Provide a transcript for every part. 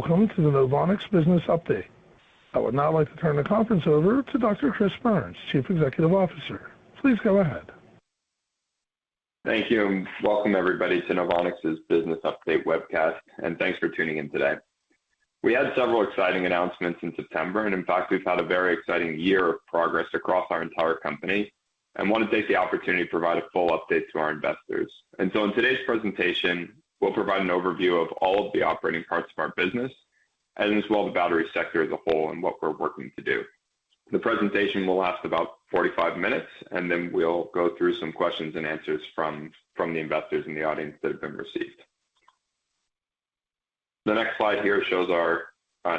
Welcome to the NOVONIX business update. I would now like to turn the conference over to Dr. Chris Burns, Chief Executive Officer. Please go ahead. Thank you, and welcome everybody to NOVONIX's business update webcast, and thanks for tuning in today. We had several exciting announcements in September, and in fact, we've had a very exciting year of progress across our entire company. I want to take the opportunity to provide a full update to our investors. So in today's presentation, we'll provide an overview of all of the operating parts of our business, as well as the battery sector as a whole and what we're working to do. The presentation will last about 45 minutes, and then we'll go through some questions and answers from the investors in the audience that have been received. The next slide here shows our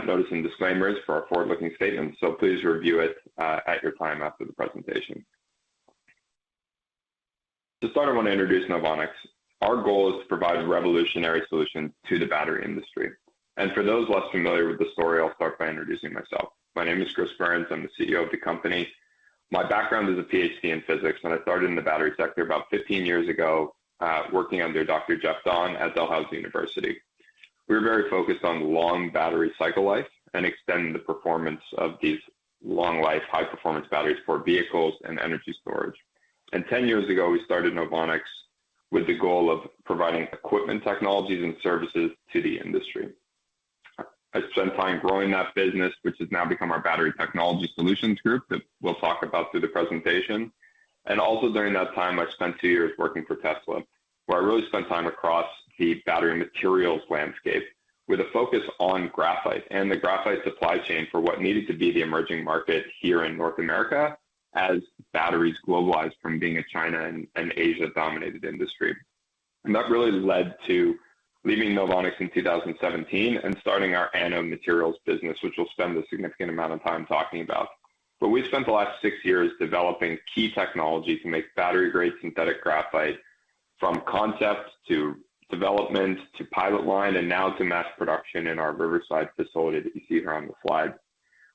notice and disclaimers for our forward-looking statements, so please review it at your time after the presentation. To start, I want to introduce NOVONIX. Our goal is to provide a revolutionary solution to the battery industry. For those less familiar with the story, I'll start by introducing myself. My name is Chris Burns. I'm the CEO of the company. My background is a PhD in physics, and I started in the battery sector about 15 years ago, working under Dr. Jeff Dahn at Dalhousie University. We were very focused on long battery cycle life and extending the performance of these long-life, high-performance batteries for vehicles and energy storage. Ten years ago, we started NOVONIX with the goal of providing equipment, technologies, and services to the industry. I spent time growing that business, which has now become our Battery Technology Solutions group, that we'll talk about through the presentation. Also during that time, I spent two years working for Tesla, where I really spent time across the battery materials landscape with a focus on graphite and the graphite supply chain for what needed to be the emerging market here in North America as batteries globalized from being a China and Asia-dominated industry. That really led to leaving NOVONIX in 2017 and starting our anode materials business, which we'll spend a significant amount of time talking about. We've spent the last six years developing key technology to make battery-grade synthetic graphite, from concept to development, to pilot line, and now to mass production in our Riverside facility that you see here on the slide.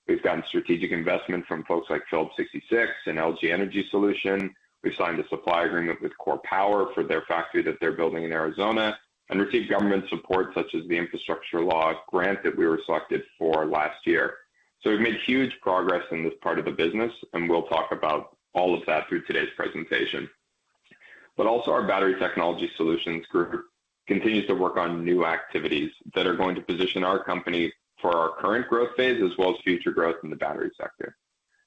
We've gotten strategic investment from folks like Phillips 66 and LG Energy Solution. We've signed a supply agreement with KORE Power for their factory that they're building in Arizona, and received government support, such as the Infrastructure Law grant that we were selected for last year. So we've made huge progress in this part of the business, and we'll talk about all of that through today's presentation. But also, our Battery Technology Solutions group continues to work on new activities that are going to position our company for our current growth phase, as well as future growth in the battery sector.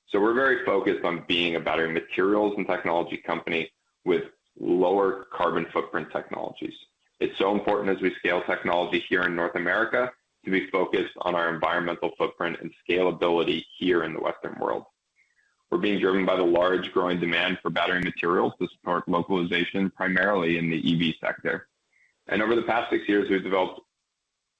So we're very focused on being a battery materials and technology company with lower carbon footprint technologies. It's so important as we scale technology here in North America to be focused on our environmental footprint and scalability here in the Western world. We're being driven by the large growing demand for battery materials to support localization, primarily in the EV sector. Over the past six years, we've developed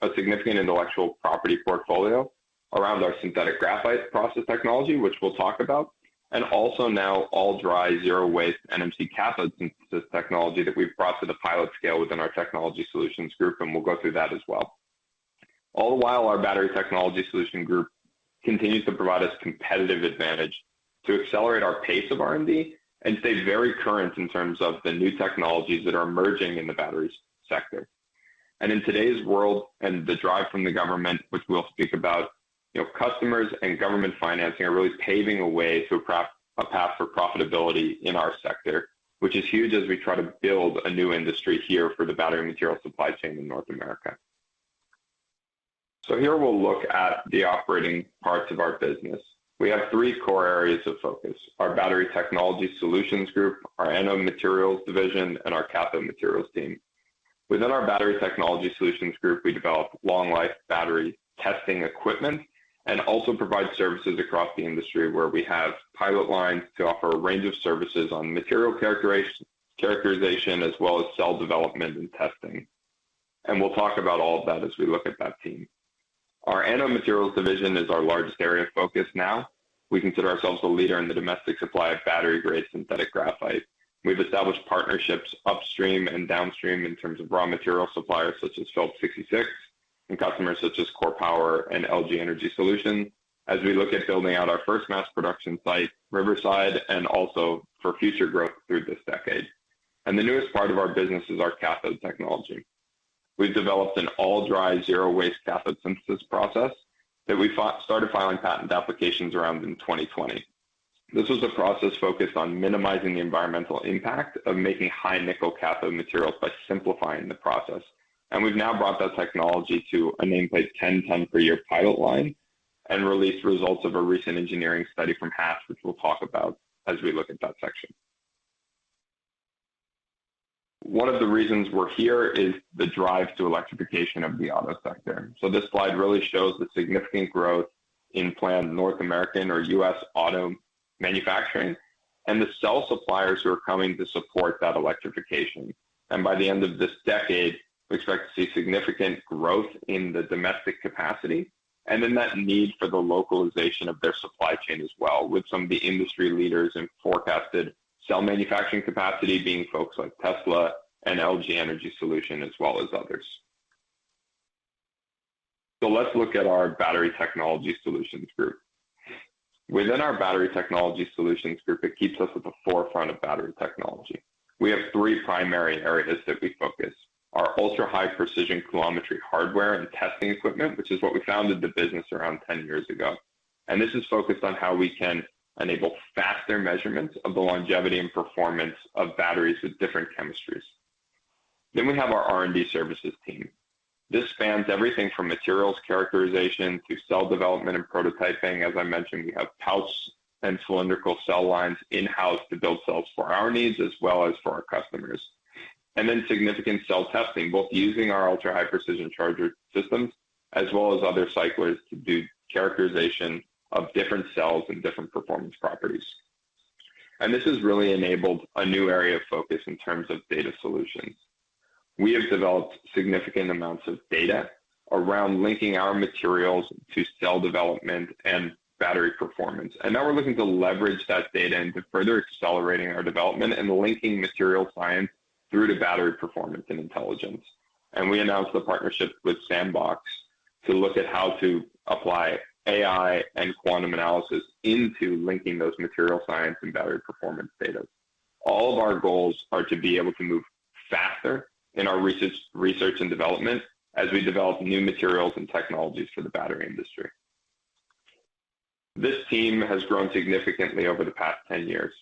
a significant intellectual property portfolio around our synthetic graphite process technology, which we'll talk about, and also now all-dry, zero-waste NMC cathode synthesis technology that we've brought to the pilot scale within our technology solutions group, and we'll go through that as well. All while our Battery Technology Solutions group continues to provide us competitive advantage to accelerate our pace of R&D and stay very current in terms of the new technologies that are emerging in the batteries sector. In today's world and the drive from the government, which we'll speak about, you know, customers and government financing are really paving a way to a path for profitability in our sector, which is huge as we try to build a new industry here for the battery material supply chain in North America. So here we'll look at the operating parts of our business. We have three core areas of focus: our Battery Technology Solutions group, our Anode Materials division, and our Cathode Materials team. Within our Battery Technology Solutions group, we develop long-life battery testing equipment and also provide services across the industry, where we have pilot lines to offer a range of services on material characterization, characterization, as well as cell development and testing. We'll talk about all of that as we look at that team. Our Anode Materials division is our largest area of focus now. We consider ourselves a leader in the domestic supply of battery-grade synthetic graphite. We've established partnerships upstream and downstream in terms of raw material suppliers such as Phillips 66 and customers such as KORE Power and LG Energy Solution. As we look at building out our first mass production site, Riverside, and also for future growth through this decade. The newest part of our business is our cathode technology. We've developed an all-dry, zero-waste cathode synthesis process that we started filing patent applications around in 2020. This was a process focused on minimizing the environmental impact of making high-nickel cathode materials by simplifying the process. We've now brought that technology to a nameplate 10-ton-per-year pilot line and released results of a recent engineering study from Hatch, which we'll talk about as we look at that section. One of the reasons we're here is the drive to electrification of the auto sector. This slide really shows the significant growth in planned North American or U.S. auto manufacturing and the cell suppliers who are coming to support that electrification. By the end of this decade, we expect to see significant growth in the domestic capacity and then that need for the localization of their supply chain as well, with some of the industry leaders and forecasted cell manufacturing capacity being folks like Tesla and LG Energy Solution, as well as others. So let's look at our Battery Technology Solutions group.... Within our Battery Technology Solutions group, it keeps us at the forefront of battery technology. We have three primary areas that we focus: our Ultra-High Precision Coulometry hardware and testing equipment, which is what we founded the business around 10 years ago. This is focused on how we can enable faster measurements of the longevity and performance of batteries with different chemistries. We have our R&D services team. This spans everything from materials characterization to cell development and prototyping. As I mentioned, we have pouch and cylindrical cell lines in-house to build cells for our needs as well as for our customers. Then significant cell testing, both using our Ultra-High Precision Charger Systems, as well as other cyclers to do characterization of different cells and different performance properties. This has really enabled a new area of focus in terms of data solutions. We have developed significant amounts of data around linking our materials to cell development and battery performance, and now we're looking to leverage that data into further accelerating our development and linking material science through to battery performance and intelligence. We announced the partnership with Sandbox to look at how to apply AI and quantum analysis into linking those material science and battery performance data. All of our goals are to be able to move faster in our research, research and development as we develop new materials and technologies for the battery industry. This team has grown significantly over the past 10 years.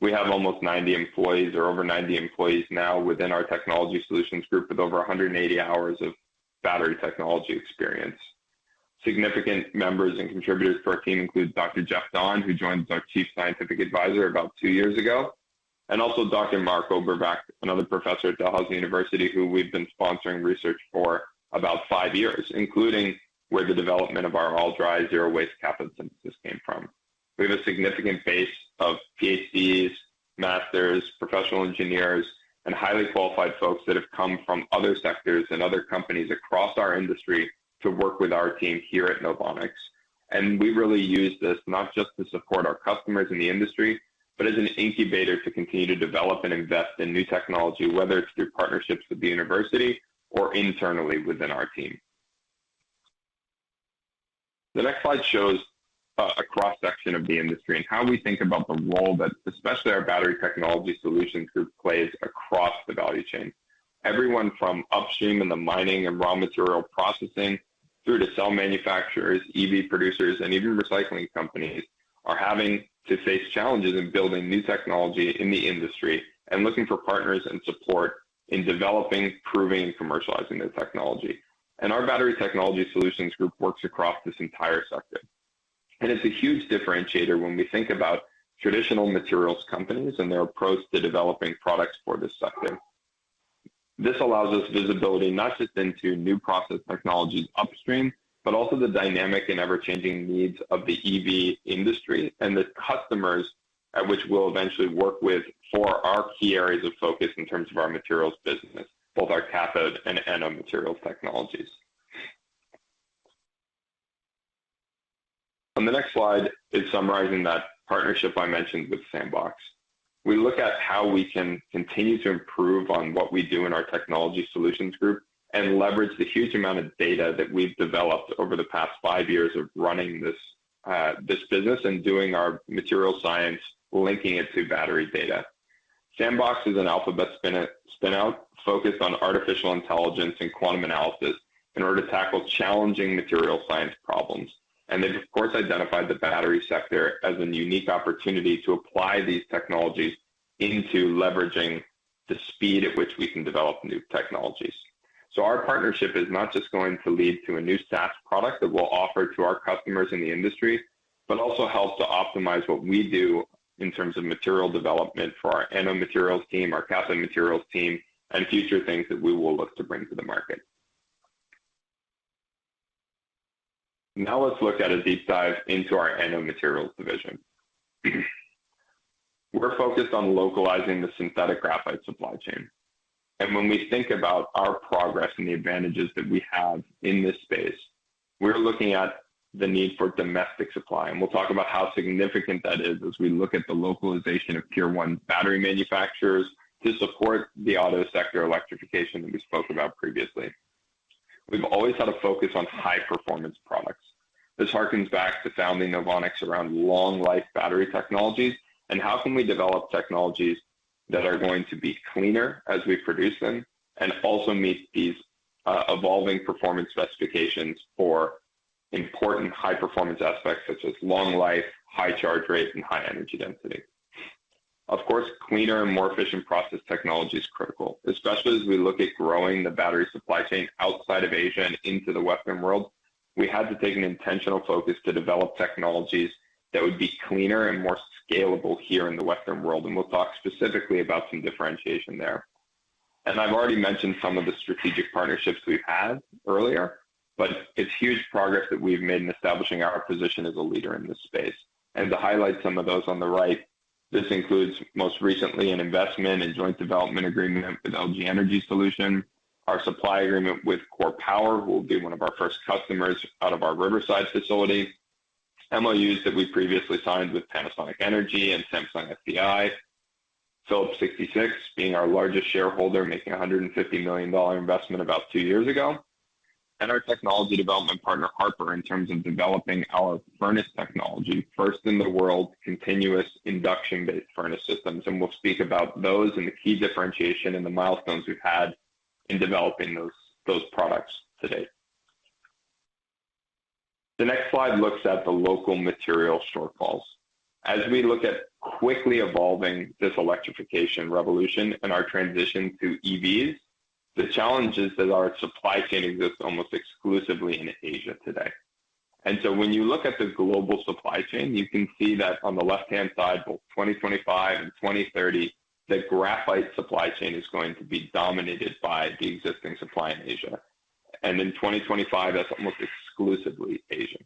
We have almost 90 employees or over 90 employees now within our technology solutions group, with over 180 hours of battery technology experience. Significant members and contributors to our team include Dr. Jeff Dahn, who joined as our Chief Scientific Advisor about 2 years ago, and also Dr. Mark Obrovac, another professor at Dalhousie University, who we've been sponsoring research for about 5 years, including where the development of our all-dry, zero-waste cathode synthesis came from. We have a significant base of PhDs, Masters, professional engineers, and highly qualified folks that have come from other sectors and other companies across our industry to work with our team here at NOVONIX. We really use this not just to support our customers in the industry, but as an incubator to continue to develop and invest in new technology, whether it's through partnerships with the university or internally within our team. The next slide shows a cross-section of the industry and how we think about the role that, especially our Battery Technology Solutions group, plays across the value chain. Everyone from upstream in the mining and raw material processing through to cell manufacturers, EV producers, and even recycling companies, are having to face challenges in building new technology in the industry and looking for partners and support in developing, proving, and commercializing their technology. Our Battery Technology Solutions group works across this entire sector, and it's a huge differentiator when we think about traditional materials companies and their approach to developing products for this sector. This allows us visibility not just into new process technologies upstream, but also the dynamic and ever-changing needs of the EV industry and the customers at which we'll eventually work with for our key areas of focus in terms of our materials business, both our cathode and anode materials technologies. On the next slide is summarizing that partnership I mentioned with Sandbox. We look at how we can continue to improve on what we do in our Technology Solutions group and leverage the huge amount of data that we've developed over the past five years of running this business and doing our material science, linking it to battery data. Sandbox is an Alphabet spin-out, focused on artificial intelligence and quantum analysis in order to tackle challenging material science problems. They've, of course, identified the battery sector as a unique opportunity to apply these technologies into leveraging the speed at which we can develop new technologies. Our partnership is not just going to lead to a new SaaS product that we'll offer to our customers in the industry, but also helps to optimize what we do in terms of material development for our Anode Materials team, our Cathode Materials team, and future things that we will look to bring to the market. Now, let's look at a deep dive into our Anode Materials division. We're focused on localizing the synthetic graphite supply chain, and when we think about our progress and the advantages that we have in this space, we're looking at the need for domestic supply, and we'll talk about how significant that is as we look at the localization of tier one battery manufacturers to support the auto sector electrification that we spoke about previously. We've always had a focus on high-performance products. This harkens back to founding NOVONIX around long-life battery technologies, and how can we develop technologies that are going to be cleaner as we produce them and also meet these, evolving performance specifications for important high-performance aspects such as long life, high charge rates, and high energy density. Of course, cleaner and more efficient process technology is critical, especially as we look at growing the battery supply chain outside of Asia and into the Western world. We had to take an intentional focus to develop technologies that would be cleaner and more scalable here in the Western world, and we'll talk specifically about some differentiation there. And I've already mentioned some of the strategic partnerships we've had earlier, but it's huge progress that we've made in establishing our position as a leader in this space. And to highlight some of those on the right, this includes, most recently, an investment and joint development agreement with LG Energy Solution. Our supply agreement with KORE Power, who will be one of our first customers out of our Riverside facility. MOUs that we previously signed with Panasonic Energy and Samsung SDI. Phillips 66 being our largest shareholder, making a $150 million investment about two years ago, and our technology development partner, Harper, in terms of developing our furnace technology, first in the world, continuous induction-based furnace systems. We'll speak about those and the key differentiation and the milestones we've had in developing those, those products to date. The next slide looks at the local material shortfalls. As we look at quickly evolving this electrification revolution and our transition to EVs, the challenge is that our supply chain exists almost exclusively in Asia today. So when you look at the global supply chain, you can see that on the left-hand side, both 2025 and 2030, the graphite supply chain is going to be dominated by the existing supply in Asia. And in 2025, that's almost exclusively Asian.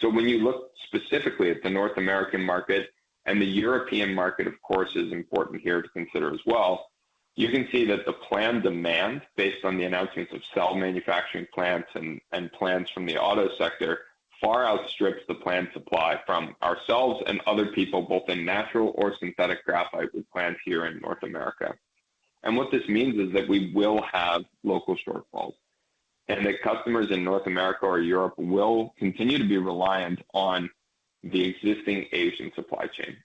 So when you look specifically at the North American market, and the European market, of course, is important here to consider as well, you can see that the planned demand, based on the announcements of cell manufacturing plants and plans from the auto sector, far outstrips the planned supply from ourselves and other people, both in natural or synthetic graphite with plants here in North America. And what this means is that we will have local shortfalls, and that customers in North America or Europe will continue to be reliant on the existing Asian supply chain.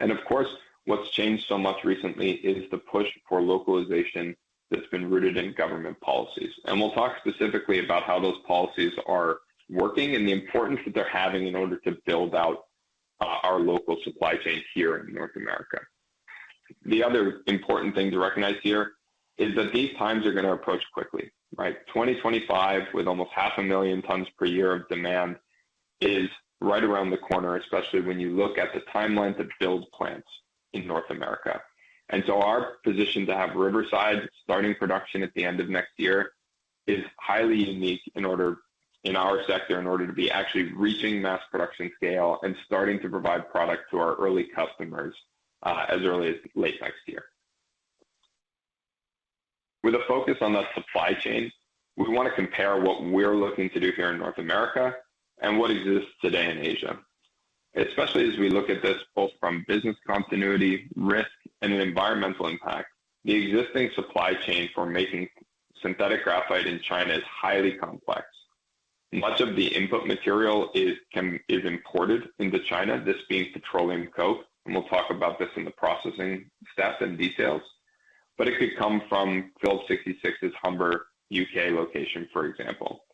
And of course, what's changed so much recently is the push for localization that's been rooted in government policies. And we'll talk specifically about how those policies are working and the importance that they're having in order to build out our local supply chain here in North America. The other important thing to recognize here is that these times are going to approach quickly, right? 2025, with almost 500,000 tons per year of demand, is right around the corner, especially when you look at the timelines of build plants in North America. And so our position to have Riverside starting production at the end of next year is highly unique in order—in our sector, in order to be actually reaching mass production scale and starting to provide product to our early customers, as early as late next year. With a focus on the supply chain, we want to compare what we're looking to do here in North America and what exists today in Asia. Especially as we look at this both from business continuity, risk, and an environmental impact, the existing supply chain for making synthetic graphite in China is highly complex. Much of the input material is imported into China, this being petroleum coke, and we'll talk about this in the processing steps and details. But it could come from Phillips 66's Humber, U.K. location, for example.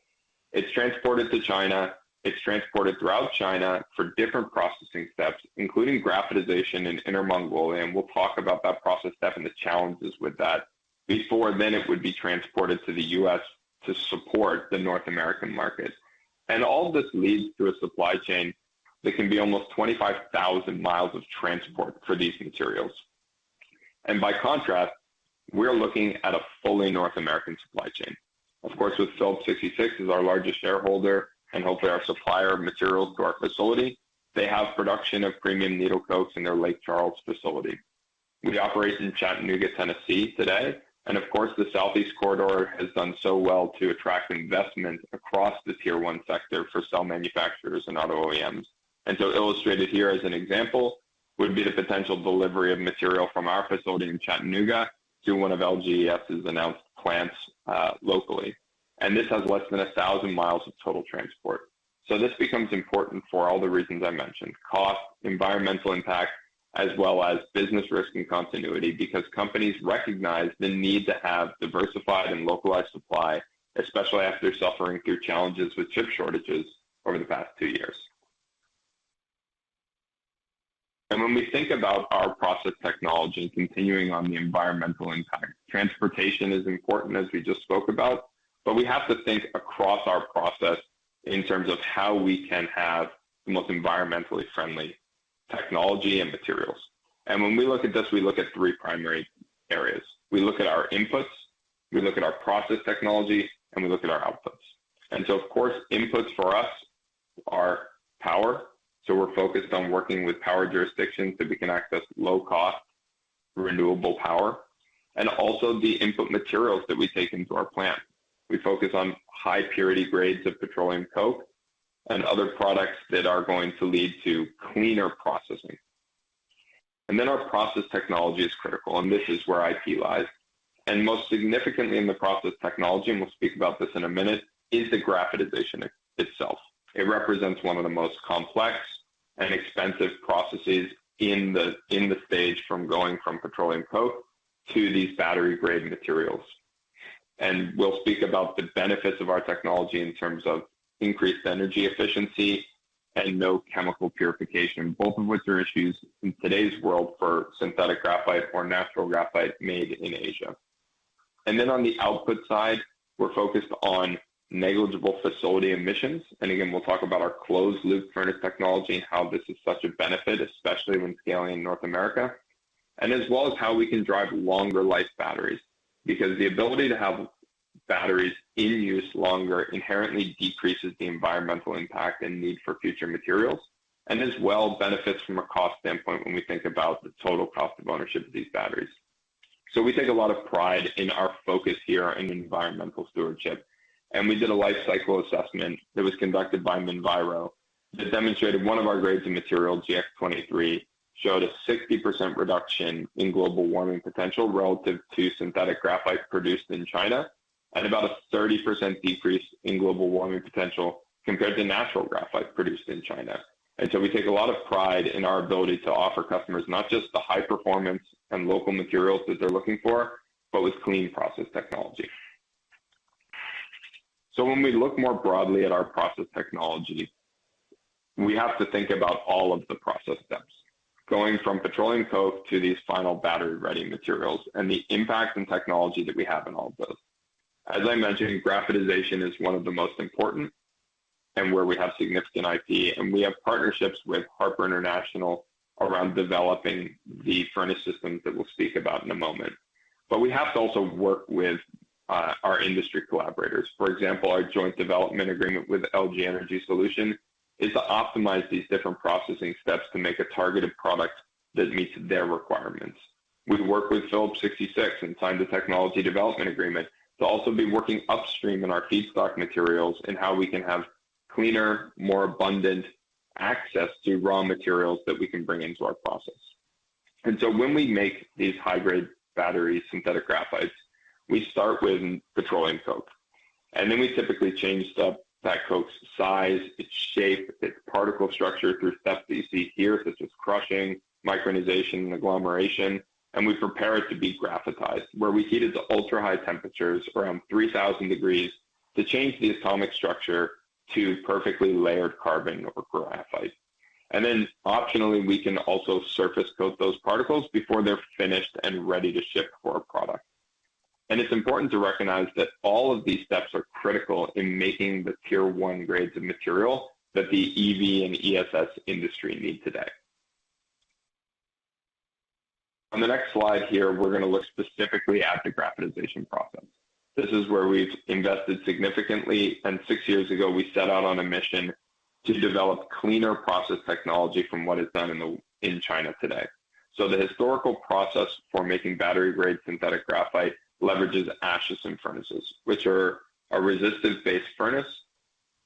It's transported to China. It's transported throughout China for different processing steps, including graphitization in Inner Mongolia, and we'll talk about that process step and the challenges with that. Before then, it would be transported to the U.S. to support the North American market. And all this leads to a supply chain that can be almost 25,000 miles of transport for these materials. And by contrast, we're looking at a fully North American supply chain. Of course, with Phillips 66 as our largest shareholder and hopefully our supplier of materials to our facility, they have production of premium needle coke in their Lake Charles facility. We operate in Chattanooga, Tennessee, today, and of course, the Southeast Corridor has done so well to attract investment across the tier one sector for cell manufacturers and auto OEMs. So illustrated here as an example, would be the potential delivery of material from our facility in Chattanooga to one of LGES's announced plants, locally. And this has less than 1,000 miles of total transport. So this becomes important for all the reasons I mentioned: cost, environmental impact, as well as business risk and continuity, because companies recognize the need to have diversified and localized supply, especially after suffering through challenges with chip shortages over the past two years. When we think about our process technology and continuing on the environmental impact, transportation is important, as we just spoke about, but we have to think across our process in terms of how we can have the most environmentally friendly technology and materials. When we look at this, we look at three primary areas. We look at our inputs, we look at our process technology, and we look at our outputs. So, of course, inputs for us are power, so we're focused on working with power jurisdictions that we can access low-cost renewable power, and also the input materials that we take into our plant. We focus on high purity grades of petroleum coke and other products that are going to lead to cleaner processing. Then our process technology is critical, and this is where IP lies. Most significantly in the process technology, and we'll speak about this in a minute, is the graphitization itself. It represents one of the most complex and expensive processes in the stage from going from petroleum coke to these battery-grade materials. And we'll speak about the benefits of our technology in terms of increased energy efficiency and no chemical purification, both of which are issues in today's world for synthetic graphite or natural graphite made in Asia. And then on the output side, we're focused on negligible facility emissions. And again, we'll talk about our closed-loop furnace technology and how this is such a benefit, especially when scaling in North America. As well as how we can drive longer-life batteries, because the ability to have batteries in use longer inherently decreases the environmental impact and need for future materials, and as well, benefits from a cost standpoint when we think about the total cost of ownership of these batteries... We take a lot of pride in our focus here on environmental stewardship. We did a life cycle assessment that was conducted by Minviro, that demonstrated one of our grades in material, GX-23, showed a 60% reduction in global warming potential relative to synthetic graphite produced in China, and about a 30% decrease in global warming potential compared to natural graphite produced in China. So we take a lot of pride in our ability to offer customers not just the high performance and local materials that they're looking for, but with clean process technology. When we look more broadly at our process technology, we have to think about all of the process steps, going from Petroleum Coke to these final battery-ready materials, and the impact and technology that we have in all of those. As I mentioned, Graphitization is one of the most important, and where we have significant IP, and we have partnerships with Harper International around developing the furnace systems that we'll speak about in a moment. But we have to also work with our industry collaborators. For example, our joint development agreement with LG Energy Solution is to optimize these different processing steps to make a targeted product that meets their requirements. We've worked with Phillips 66 and signed a technology development agreement to also be working upstream in our feedstock materials and how we can have cleaner, more abundant access to raw materials that we can bring into our process. And so when we make these high-grade battery synthetic graphites, we start with petroleum coke, and then we typically change that coke's size, its shape, its particle structure, through steps that you see here, such as crushing, micronization, and agglomeration. And we prepare it to be graphitized, where we heat it to ultra-high temperatures, around 3,000 degrees, to change the atomic structure to perfectly layered carbon over graphite. And then optionally, we can also surface coat those particles before they're finished and ready to ship for a product. It's important to recognize that all of these steps are critical in making the tier one grades of material that the EV and ESS industry need today. On the next slide here, we're going to look specifically at the graphitization process. This is where we've invested significantly, and six years ago, we set out on a mission to develop cleaner process technology from what is done in China today. So the historical process for making battery-grade synthetic graphite leverages Acheson furnaces, which are a resistive-based furnace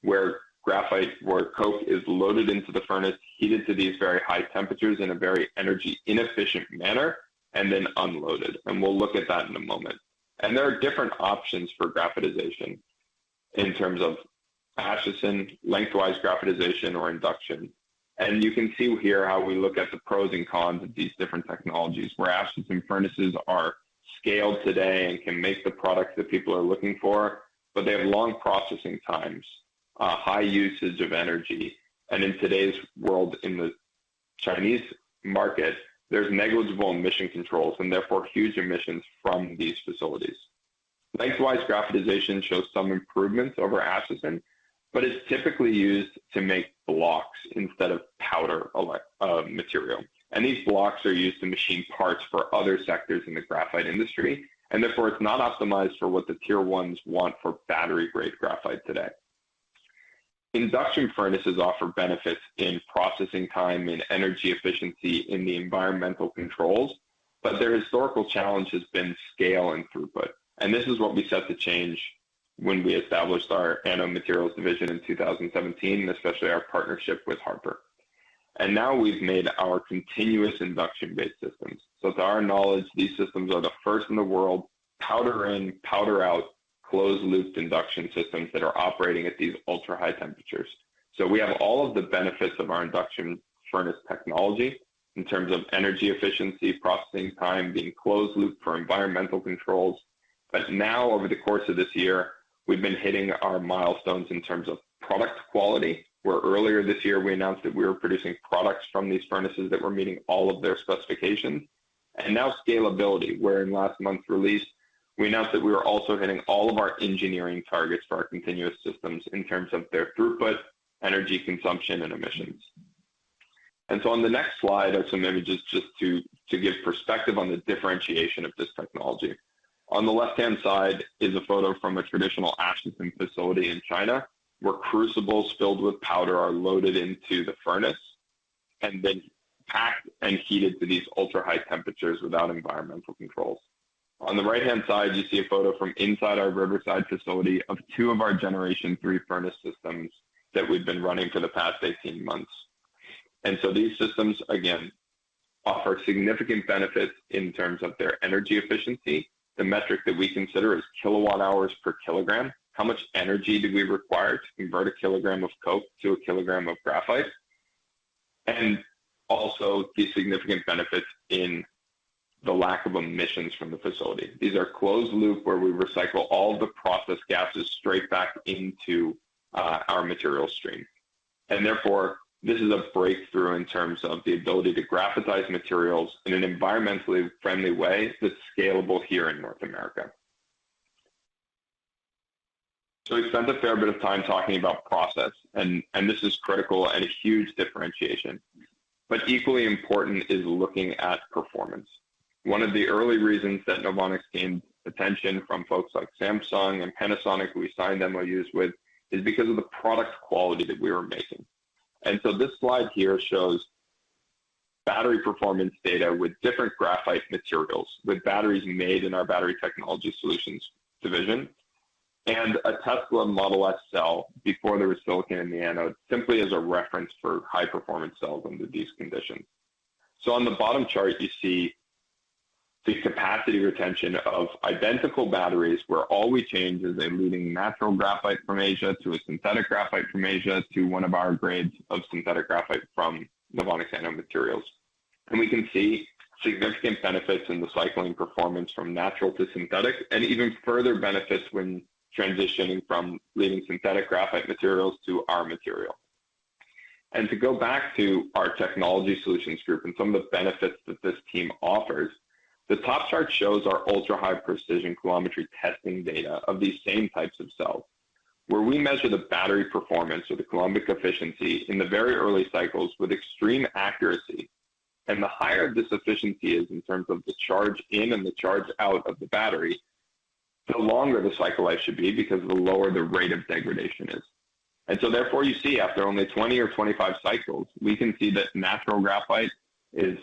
where coke is loaded into the furnace, heated to these very high temperatures in a very energy-inefficient manner, and then unloaded. We'll look at that in a moment. There are different options for graphitization in terms of Acheson, lengthwise graphitization, or induction. You can see here how we look at the pros and cons of these different technologies, where Acheson furnaces are scaled today and can make the products that people are looking for, but they have long processing times, high usage of energy. In today's world, in the Chinese market, there's negligible emission controls and therefore huge emissions from these facilities. Lengthwise graphitization shows some improvements over Acheson, but it's typically used to make blocks instead of powder, material. These blocks are used to machine parts for other sectors in the graphite industry, and therefore, it's not optimized for what the tier ones want for battery-grade graphite today. Induction furnaces offer benefits in processing time, in energy efficiency, in the environmental controls, but their historical challenge has been scale and throughput. This is what we set to change when we established our Anode Materials division in 2017, especially our partnership with Harper. Now we've made our continuous induction-based systems. To our knowledge, these systems are the first in the world, powder-in, powder-out, closed-loop induction systems that are operating at these ultra-high temperatures. We have all of the benefits of our induction furnace technology in terms of energy efficiency, processing time, being closed loop for environmental controls. But now, over the course of this year, we've been hitting our milestones in terms of product quality, where earlier this year, we announced that we were producing products from these furnaces that were meeting all of their specifications. Now scalability, where in last month's release, we announced that we were also hitting all of our engineering targets for our continuous systems in terms of their throughput, energy consumption, and emissions. So on the next slide are some images just to give perspective on the differentiation of this technology. On the left-hand side is a photo from a traditional Acheson facility in China, where crucibles filled with powder are loaded into the furnace and then packed and heated to these ultra-high temperatures without environmental controls. On the right-hand side, you see a photo from inside our Riverside facility of two of our Generation 3 furnace systems that we've been running for the past 18 months. So these systems, again, offer significant benefits in terms of their energy efficiency. The metric that we consider is kilowatt-hours per kilogram. How much energy do we require to convert a kilogram of coke to a kilogram of graphite? And also, the significant benefits in the lack of emissions from the facility. These are closed loop, where we recycle all the process gases straight back into our material stream. And therefore, this is a breakthrough in terms of the ability to graphitize materials in an environmentally friendly way that's scalable here in North America. So we've spent a fair bit of time talking about process, and, and this is critical and a huge differentiation, but equally important is looking at performance. One of the early reasons that NOVONIX gained attention from folks like Samsung and Panasonic, who we signed MOUs with, is because of the product quality that we were making. This slide here shows battery performance data with different graphite materials, with batteries made in our Battery Technology Solutions division, and a Tesla Model S cell before there was silicon in the anode, simply as a reference for high-performance cells under these conditions. On the bottom chart, you see the capacity retention of identical batteries, where all we change is a leading natural graphite from Asia to a synthetic graphite from Asia, to one of our grades of synthetic graphite from NOVONIX Anode Materials. We can see significant benefits in the cycling performance from natural to synthetic, and even further benefits when transitioning from leading synthetic graphite materials to our material. To go back to our technology solutions group and some of the benefits that this team offers, the top chart shows our Ultra-High Precision Coulometry testing data of these same types of cells, where we measure the battery performance or the coulombic efficiency in the very early cycles with extreme accuracy. The higher this efficiency is in terms of the charge in and the charge out of the battery, the longer the cycle life should be, because the lower the rate of degradation is. So therefore, you see after only 20 or 25 cycles, we can see that natural graphite is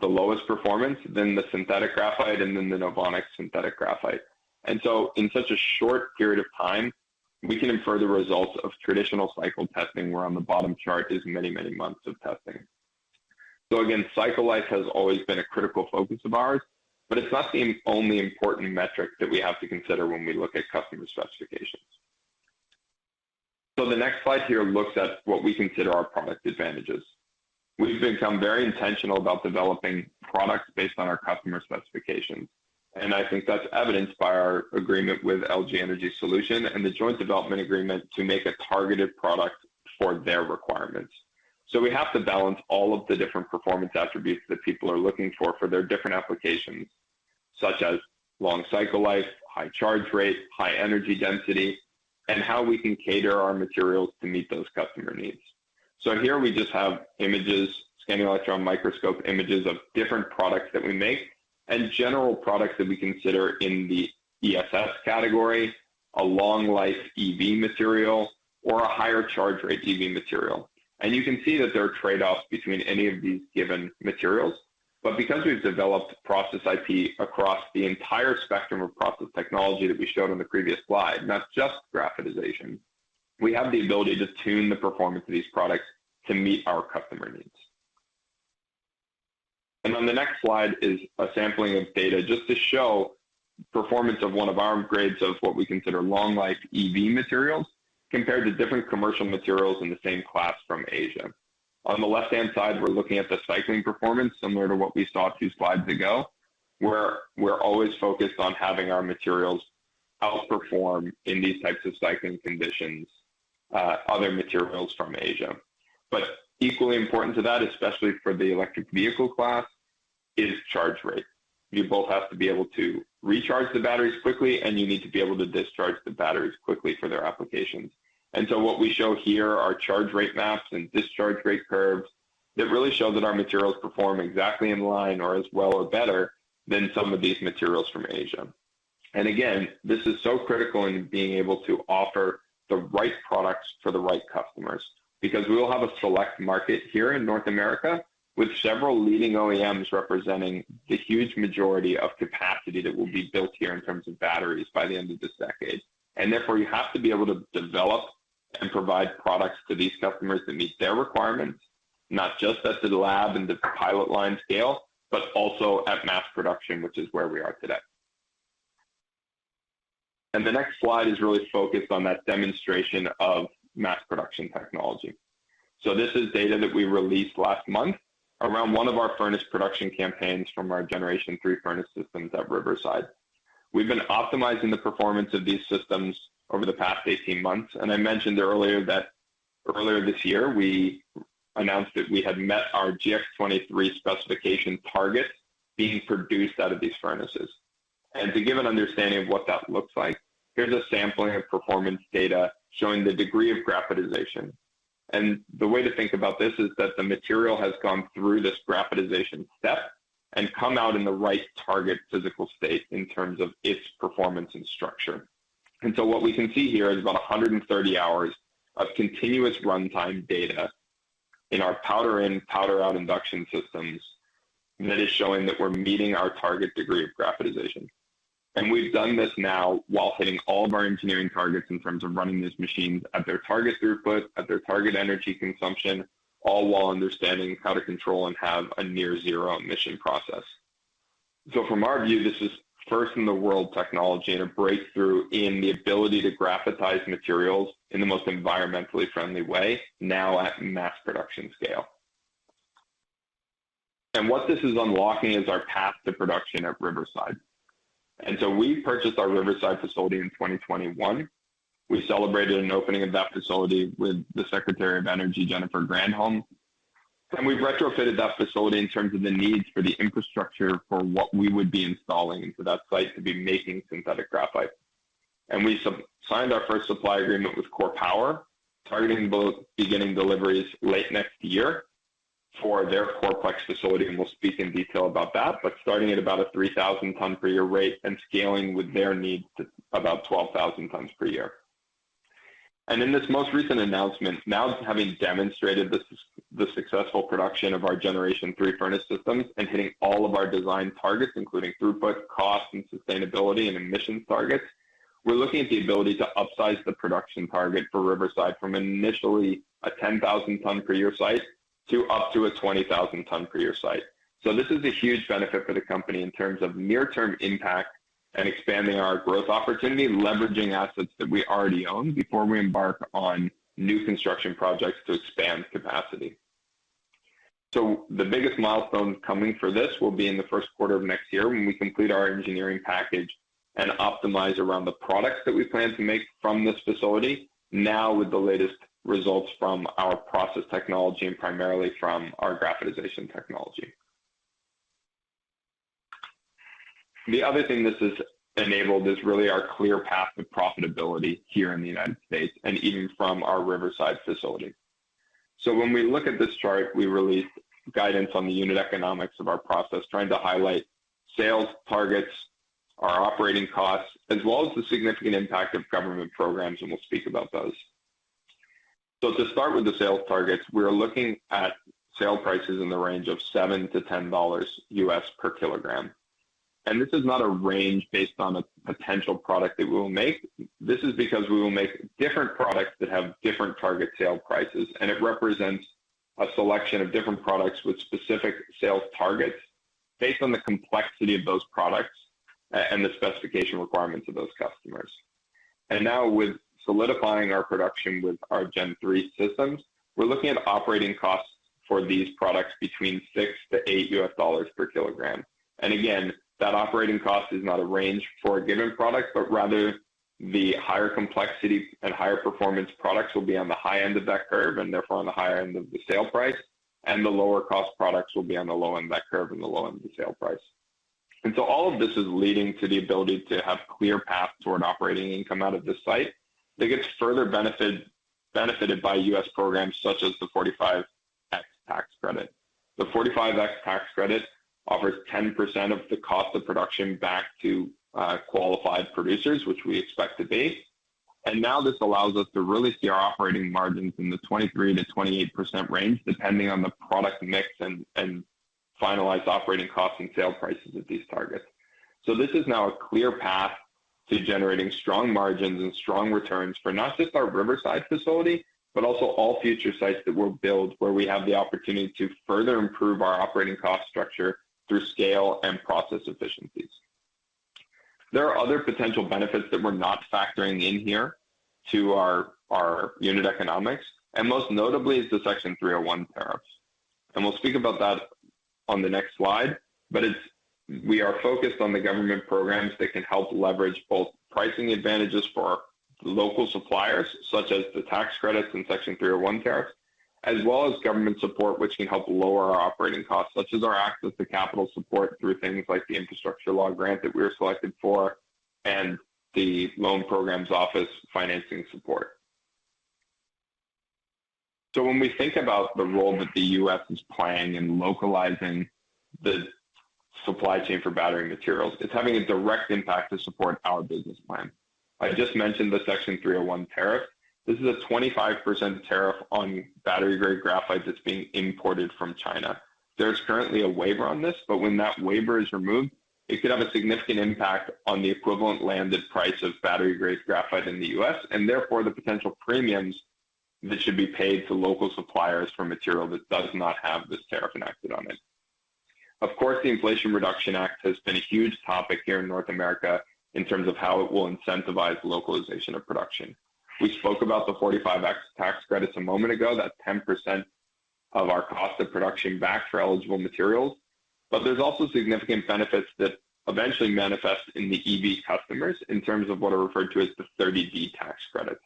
the lowest performance, then the synthetic graphite, and then the NOVONIX synthetic graphite. So in such a short period of time, we can infer the results of traditional cycle testing, where on the bottom chart is many, many months of testing. So again, cycle life has always been a critical focus of ours, but it's not the only important metric that we have to consider when we look at customer specifications. So the next slide here looks at what we consider our product advantages. We've become very intentional about developing products based on our customer specifications, and I think that's evidenced by our agreement with LG Energy Solution and the joint development agreement to make a targeted product for their requirements. So we have to balance all of the different performance attributes that people are looking for, for their different applications, such as long cycle life, high charge rate, high energy density, and how we can cater our materials to meet those customer needs. So here we just have images, scanning electron microscope images of different products that we make and general products that we consider in the ESS category, a long-life EV material or a higher charge rate EV material. You can see that there are trade-offs between any of these given materials. But because we've developed process IP across the entire spectrum of process technology that we showed on the previous slide, not just graphitization, we have the ability to tune the performance of these products to meet our customer needs. On the next slide is a sampling of data, just to show performance of one of our grades of what we consider long-life EV materials, compared to different commercial materials in the same class from Asia. On the left-hand side, we're looking at the cycling performance, similar to what we saw 2 slides ago, where we're always focused on having our materials outperform in these types of cycling conditions, other materials from Asia. But equally important to that, especially for the electric vehicle class, is charge rate. You both have to be able to recharge the batteries quickly, and you need to be able to discharge the batteries quickly for their applications. And so what we show here are charge rate maps and discharge rate curves that really show that our materials perform exactly in line or as well or better than some of these materials from Asia. Again, this is so critical in being able to offer the right products for the right customers, because we will have a select market here in North America, with several leading OEMs representing the huge majority of capacity that will be built here in terms of batteries by the end of this decade. Therefore, you have to be able to develop and provide products to these customers that meet their requirements, not just at the lab and the pilot line scale, but also at mass production, which is where we are today. The next slide is really focused on that demonstration of mass production technology. This is data that we released last month around one of our furnace production campaigns from our Generation 3 furnace systems at Riverside. We've been optimizing the performance of these systems over the past 18 months, and I mentioned earlier that earlier this year, we announced that we had met our GX-23 specification target being produced out of these furnaces. To give an understanding of what that looks like, here's a sampling of performance data showing the degree of graphitization. The way to think about this is that the material has gone through this graphitization step and come out in the right target physical state in terms of its performance and structure. So what we can see here is about 130 hours of continuous runtime data in our powder-in, powder-out induction systems. That is showing that we're meeting our target degree of graphitization. We've done this now while hitting all of our engineering targets in terms of running these machines at their target throughput, at their target energy consumption, all while understanding how to control and have a near-zero emission process. So from our view, this is first-in-the-world technology and a breakthrough in the ability to graphitize materials in the most environmentally friendly way now at mass production scale. What this is unlocking is our path to production at Riverside. We purchased our Riverside facility in 2021. We celebrated an opening of that facility with the Secretary of Energy, Jennifer Granholm, and we've retrofitted that facility in terms of the needs for the infrastructure for what we would be installing into that site to be making synthetic graphite. We signed our first supply agreement with KORE Power, targeting both beginning deliveries late next year for their KOREPlex facility, and we'll speak in detail about that. But starting at about a 3,000 ton per year rate and scaling with their need to about 12,000 tons per year. And in this most recent announcement, now having demonstrated the successful production of our Generation 3 furnace systems and hitting all of our design targets, including throughput, cost, and sustainability, and emissions targets, we're looking at the ability to upsize the production target for Riverside from initially a 10,000 ton per year site to up to a 20,000 ton per year site. So this is a huge benefit for the company in terms of near-term impact and expanding our growth opportunity, leveraging assets that we already own before we embark on new construction projects to expand capacity. So the biggest milestone coming for this will be in the first quarter of next year, when we complete our engineering package and optimize around the products that we plan to make from this facility, now with the latest results from our process technology and primarily from our graphitization technology. The other thing this has enabled is really our clear path to profitability here in the United States and even from our Riverside facility. So when we look at this chart, we released guidance on the unit economics of our process, trying to highlight sales targets, our operating costs, as well as the significant impact of government programs, and we'll speak about those. So to start with the sales targets, we're looking at sale prices in the range of $7-$10 per kilogram. And this is not a range based on a potential product that we'll make. This is because we will make different products that have different target sale prices, and it represents a selection of different products with specific sales targets based on the complexity of those products, and the specification requirements of those customers. And now, with solidifying our production with our Gen 3 systems, we're looking at operating costs for these products between $6-$8 per kilogram. And again, that operating cost is not a range for a given product, but rather the higher complexity and higher performance products will be on the high end of that curve, and therefore on the higher end of the sale price, and the lower cost products will be on the low end of that curve and the low end of the sale price. And so all of this is leading to the ability to have clear path toward operating income out of this site, that gets further benefited by U.S. programs such as the 45X tax credit. The 45X tax credit offers 10% of the cost of production back to qualified producers, which we expect to be. And now this allows us to really see our operating margins in the 23%-28% range, depending on the product mix and finalized operating costs and sale prices at these targets. So this is now a clear path to generating strong margins and strong returns for not just our Riverside facility, but also all future sites that we'll build, where we have the opportunity to further improve our operating cost structure through scale and process efficiencies. There are other potential benefits that we're not factoring in here to our unit economics, and most notably is the Section 301 tariffs. We'll speak about that on the next slide, but it's, we are focused on the government programs that can help leverage both pricing advantages for local suppliers, such as the tax credits and Section 301 tariffs, as well as government support, which can help lower our operating costs, such as our access to capital support through things like the infrastructure law grant that we were selected for and the Loan Programs Office financing support. So when we think about the role that the U.S. is playing in localizing the supply chain for battery materials, it's having a direct impact to support our business plan. I just mentioned the Section 301 tariff. This is a 25% tariff on battery-grade graphite that's being imported from China. There's currently a waiver on this, but when that waiver is removed, it could have a significant impact on the equivalent landed price of battery-grade graphite in the U.S., and therefore the potential premiums that should be paid to local suppliers for material that does not have this tariff enacted on it. Of course, the Inflation Reduction Act has been a huge topic here in North America in terms of how it will incentivize localization of production. We spoke about the 45X tax credits a moment ago. That's 10% of our cost of production back for eligible materials. But there's also significant benefits that eventually manifest in the EV customers in terms of what are referred to as the 30D tax credits.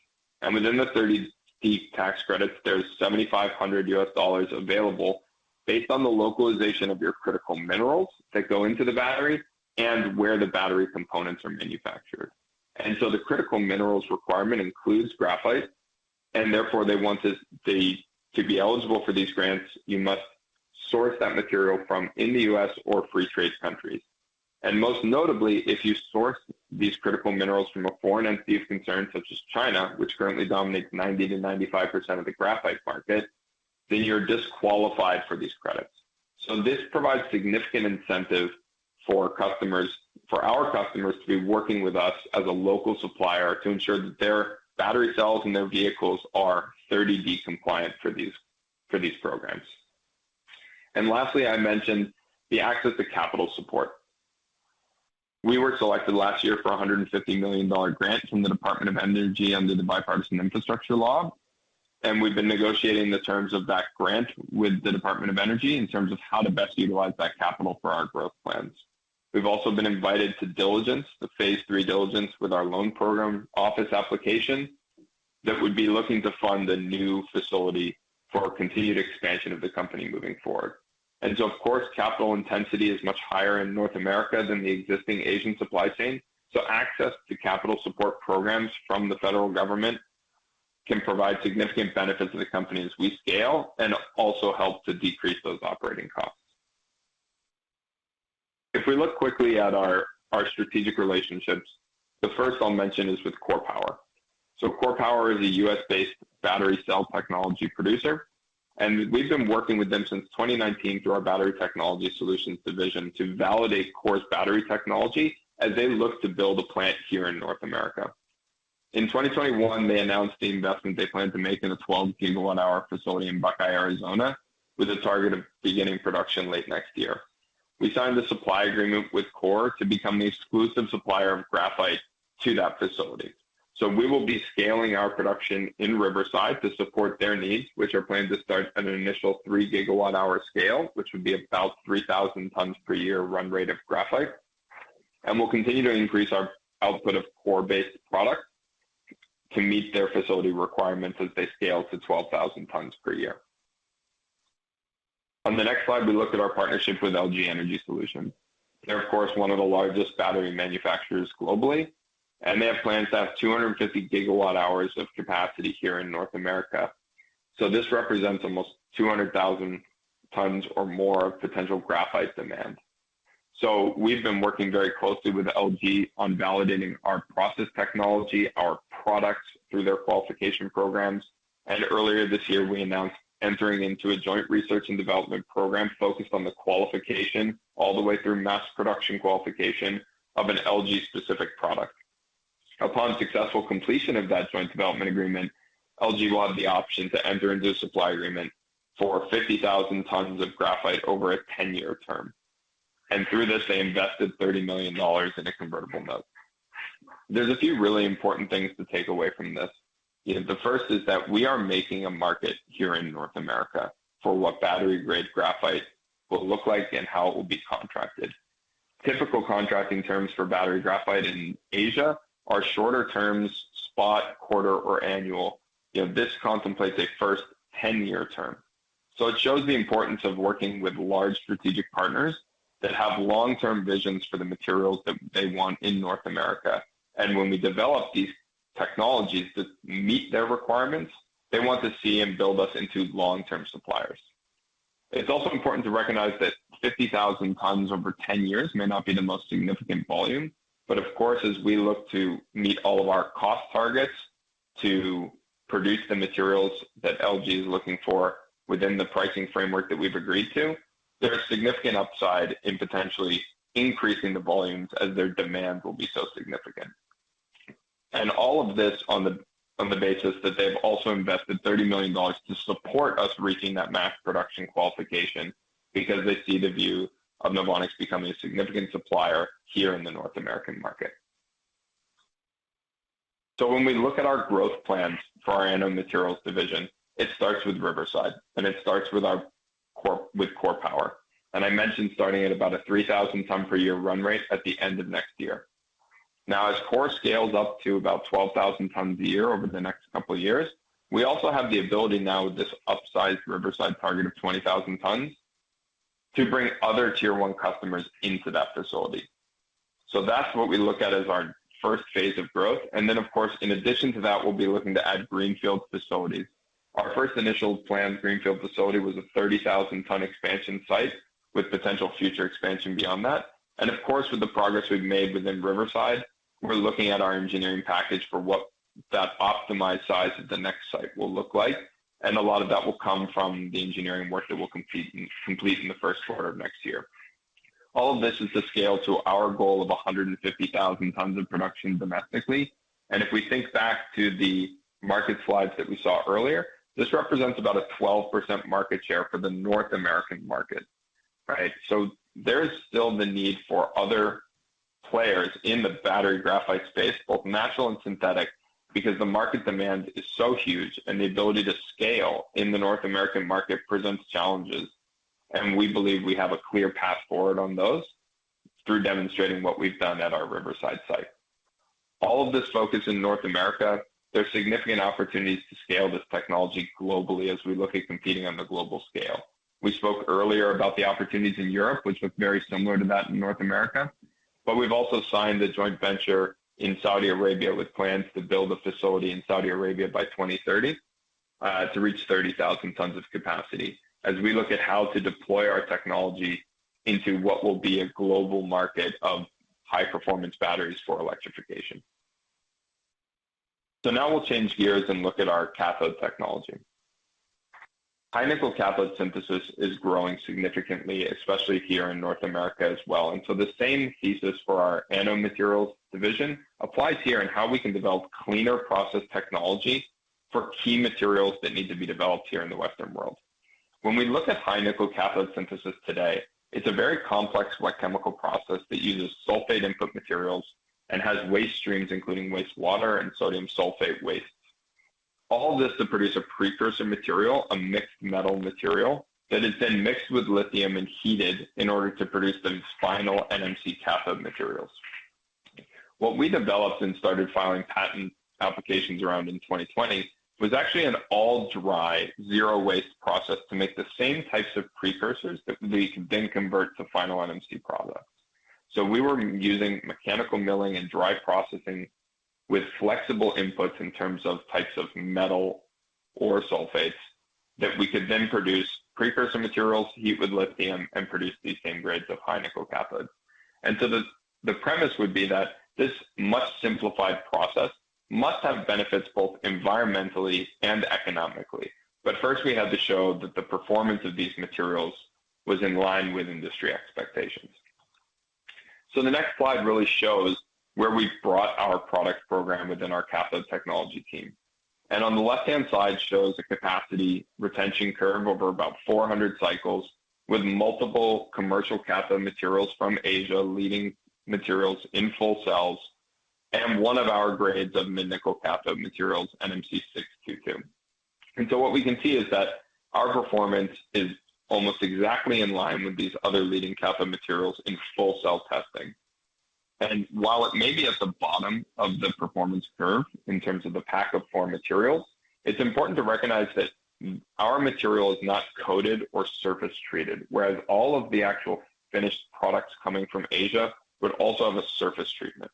Within the 30D tax credits, there's $7,500 available based on the localization of your critical minerals that go into the battery and where the battery components are manufactured. So the critical minerals requirement includes graphite, and therefore, they want us to be eligible for these grants, you must source that material from in the U.S. or free trade countries. Most notably, if you source these critical minerals from a foreign entity of concern, such as China, which currently dominates 90%-95% of the graphite market, then you're disqualified for these credits. So this provides significant incentive for our customers to be working with us as a local supplier to ensure that their battery cells and their vehicles are 30D compliant for these, for these programs. Lastly, I mentioned the access to capital support. We were selected last year for a $150 million grant from the Department of Energy under the Bipartisan Infrastructure Law, and we've been negotiating the terms of that grant with the Department of Energy in terms of how to best utilize that capital for our growth plans. We've also been invited to diligence, the phase 3 diligence with our Loan Programs Office application, that would be looking to fund a new facility for our continued expansion of the company moving forward. And so, of course, capital intensity is much higher in North America than the existing Asian supply chain, so access to capital support programs from the federal government can provide significant benefits to the company as we scale and also help to decrease those operating costs. If we look quickly at our strategic relationships, the first I'll mention is with KORE Power. So KORE Power is a US-based battery cell technology producer, and we've been working with them since 2019 through our Battery Technology Solutions division to validate KORE's battery technology as they look to build a plant here in North America. In 2021, they announced the investment they plan to make in a 12 gigawatt hour facility in Buckeye, Arizona, with a target of beginning production late next year. We signed a supply agreement with KORE to become the exclusive supplier of graphite to that facility. So we will be scaling our production in Riverside to support their needs, which are planned to start at an initial 3 gigawatt hour scale, which would be about 3,000 tons per year run rate of graphite. And we'll continue to increase our output of KORE-based product to meet their facility requirements as they scale to 12,000 tons per year. On the next slide, we look at our partnership with LG Energy Solution. They're, of course, one of the largest battery manufacturers globally, and they have plans to have 250 gigawatt hours of capacity here in North America. So this represents almost 200,000 tons or more of potential graphite demand. So we've been working very closely with LG on validating our process technology, our products, through their qualification programs, and earlier this year, we announced entering into a joint research and development program focused on the qualification all the way through mass production qualification of an LG-specific product. Upon successful completion of that joint development agreement, LG will have the option to enter into a supply agreement for 50,000 tons of graphite over a 10-year term, and through this, they invested $30 million in a convertible note. There's a few really important things to take away from this. The first is that we are making a market here in North America for what battery-grade graphite will look like and how it will be contracted. Typical contracting terms for battery graphite in Asia are shorter terms, spot, quarter, or annual. You know, this contemplates a first 10-year term. So it shows the importance of working with large strategic partners that have long-term visions for the materials that they want in North America. And when we develop these technologies that meet their requirements, they want to see and build us into long-term suppliers. It's also important to recognize that 50,000 tons over 10 years may not be the most significant volume, but of course, as we look to meet all of our cost targets to produce the materials that LG is looking for within the pricing framework that we've agreed to, there is significant upside in potentially increasing the volumes as their demand will be so significant. And all of this on the basis that they've also invested $30 million to support us reaching that mass production qualification because they see the view of NOVONIX becoming a significant supplier here in the North American market. So when we look at our growth plans for our Anode Materials division, it starts with Riverside, and it starts with our KORE Power. I mentioned starting at about a 3,000 ton per year run rate at the end of next year. Now, as KORE scales up to about 12,000 tons a year over the next couple of years, we also have the ability now with this upsized Riverside target of 20,000 tons, to bring other tier one customers into that facility. So that's what we look at as our first phase of growth. And then, of course, in addition to that, we'll be looking to add greenfield facilities. Our first initial planned greenfield facility was a 30,000 ton expansion site with potential future expansion beyond that. And of course, with the progress we've made within Riverside, we're looking at our engineering package for what that optimized size of the next site will look like. And a lot of that will come from the engineering work that we'll complete in the first quarter of next year. All of this is to scale to our goal of 150,000 tons of production domestically. And if we think back to the market slides that we saw earlier, this represents about a 12% market share for the North American market, right? So there is still the need for other players in the battery graphite space, both natural and synthetic, because the market demand is so huge and the ability to scale in the North American market presents challenges, and we believe we have a clear path forward on those through demonstrating what we've done at our Riverside site. All of this focus in North America, there are significant opportunities to scale this technology globally as we look at competing on the global scale. We spoke earlier about the opportunities in Europe, which look very similar to that in North America, but we've also signed a joint venture in Saudi Arabia with plans to build a facility in Saudi Arabia by 2030 to reach 30,000 tons of capacity. As we look at how to deploy our technology into what will be a global market of high-performance batteries for electrification. So now we'll change gears and look at our cathode technology. High nickel cathode synthesis is growing significantly, especially here in North America as well. And so the same thesis for our Anode Materials division applies here in how we can develop cleaner process technology for key materials that need to be developed here in the Western world. When we look at high nickel cathode synthesis today, it's a very complex wet chemical process that uses sulfate input materials and has waste streams, including waste water and sodium sulfate waste. All this to produce a precursor material, a mixed metal material, that is then mixed with lithium and heated in order to produce the final NMC cathode materials. What we developed and started filing patent applications around in 2020, was actually an all-dry, zero-waste process to make the same types of precursors that we then convert to final NMC products.... So we were using mechanical milling and dry processing with flexible inputs in terms of types of metal or sulfates, that we could then produce precursor materials, heat with lithium, and produce these same grades of high nickel cathodes. And so the premise would be that this much simplified process must have benefits both environmentally and economically. But first, we had to show that the performance of these materials was in line with industry expectations. So the next slide really shows where we've brought our product program within our cathode technology team. And on the left-hand side shows a capacity retention curve over about 400 cycles, with multiple commercial cathode materials from Asia, leading materials in full cells, and one of our grades of mid-nickel cathode materials, NMC 622. And so what we can see is that our performance is almost exactly in line with these other leading cathode materials in full cell testing. While it may be at the bottom of the performance curve in terms of the pack of four materials, it's important to recognize that our material is not coated or surface treated, whereas all of the actual finished products coming from Asia would also have a surface treatment.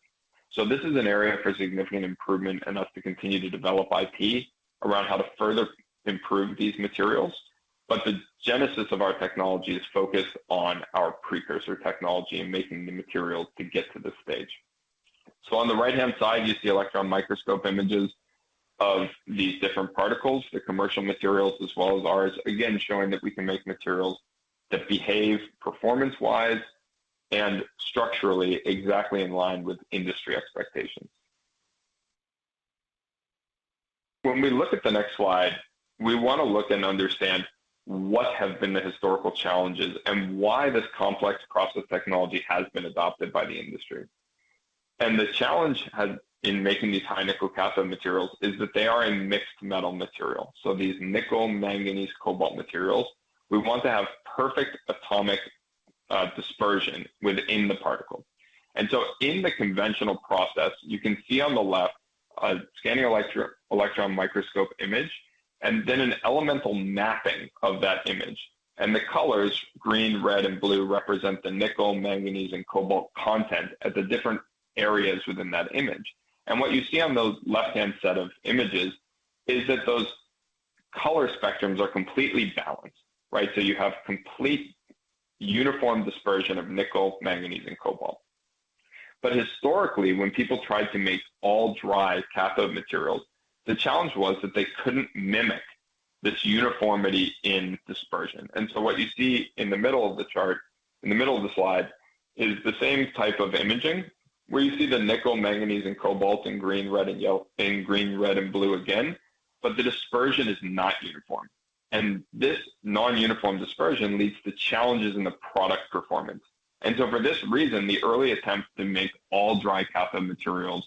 So this is an area for significant improvement and us to continue to develop IP around how to further improve these materials. The genesis of our technology is focused on our precursor technology and making the materials to get to this stage. So on the right-hand side, you see electron microscope images of these different particles, the commercial materials, as well as ours, again, showing that we can make materials that behave performance-wise and structurally exactly in line with industry expectations. When we look at the next slide, we want to look and understand what have been the historical challenges and why this complex process technology has been adopted by the industry. The challenge in making these high nickel cathode materials is that they are a mixed metal material. So these nickel, manganese, cobalt materials, we want to have perfect atomic dispersion within the particle. So in the conventional process, you can see on the left a scanning electron microscope image, and then an elemental mapping of that image. The colors green, red, and blue represent the nickel, manganese, and cobalt content at the different areas within that image. What you see on those left-hand set of images is that those color spectrums are completely balanced, right? So you have complete uniform dispersion of nickel, manganese, and cobalt. But historically, when people tried to make all dry cathode materials, the challenge was that they couldn't mimic this uniformity in dispersion. And so what you see in the middle of the chart, in the middle of the slide, is the same type of imaging, where you see the nickel, manganese, and cobalt in green, red, and yellow, in green, red, and blue again, but the dispersion is not uniform. And this non-uniform dispersion leads to challenges in the product performance. And so for this reason, the early attempts to make all dry cathode materials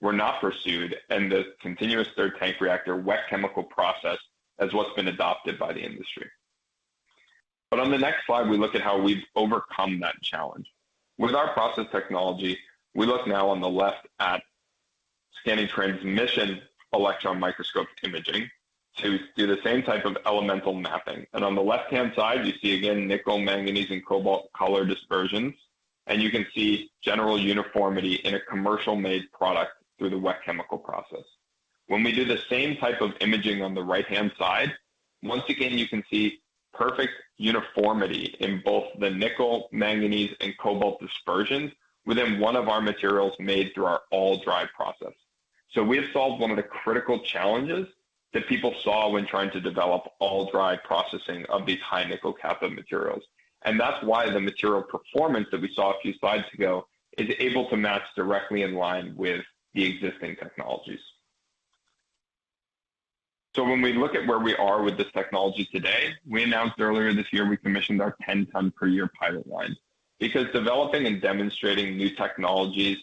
were not pursued, and the continuous stirred-tank reactor wet chemical process is what's been adopted by the industry. But on the next slide, we look at how we've overcome that challenge. With our process technology, we look now on the left at scanning transmission electron microscope imaging to do the same type of elemental mapping. And on the left-hand side, you see again nickel, manganese, and cobalt color dispersions, and you can see general uniformity in a commercial-made product through the wet chemical process. When we do the same type of imaging on the right-hand side, once again, you can see perfect uniformity in both the nickel, manganese, and cobalt dispersions within one of our materials made through our all-dry process. So we have solved one of the critical challenges that people saw when trying to develop all-dry processing of these high nickel cathode materials. And that's why the material performance that we saw a few slides ago is able to match directly in line with the existing technologies. So when we look at where we are with this technology today, we announced earlier this year we commissioned our 10-ton per year pilot line. Because developing and demonstrating new technologies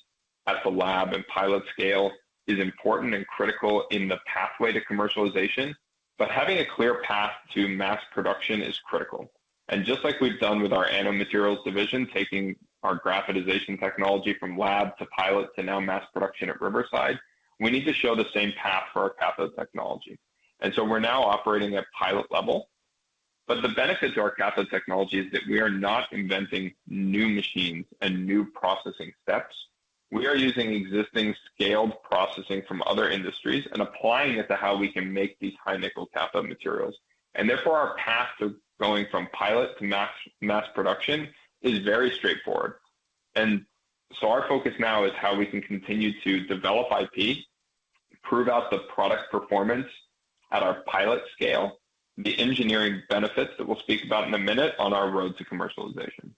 at the lab and pilot scale is important and critical in the pathway to commercialization, but having a clear path to mass production is critical. And just like we've done with our Anode Materials division, taking our graphitization technology from lab to pilot to now mass production at Riverside, we need to show the same path for our cathode technology. And so we're now operating at pilot level. But the benefit to our cathode technology is that we are not inventing new machines and new processing steps. We are using existing scaled processing from other industries and applying it to how we can make these high nickel cathode materials. Therefore, our path to going from pilot to mass, mass production is very straightforward. So our focus now is how we can continue to develop IP, prove out the product performance at our pilot scale, the engineering benefits that we'll speak about in a minute on our road to commercialization.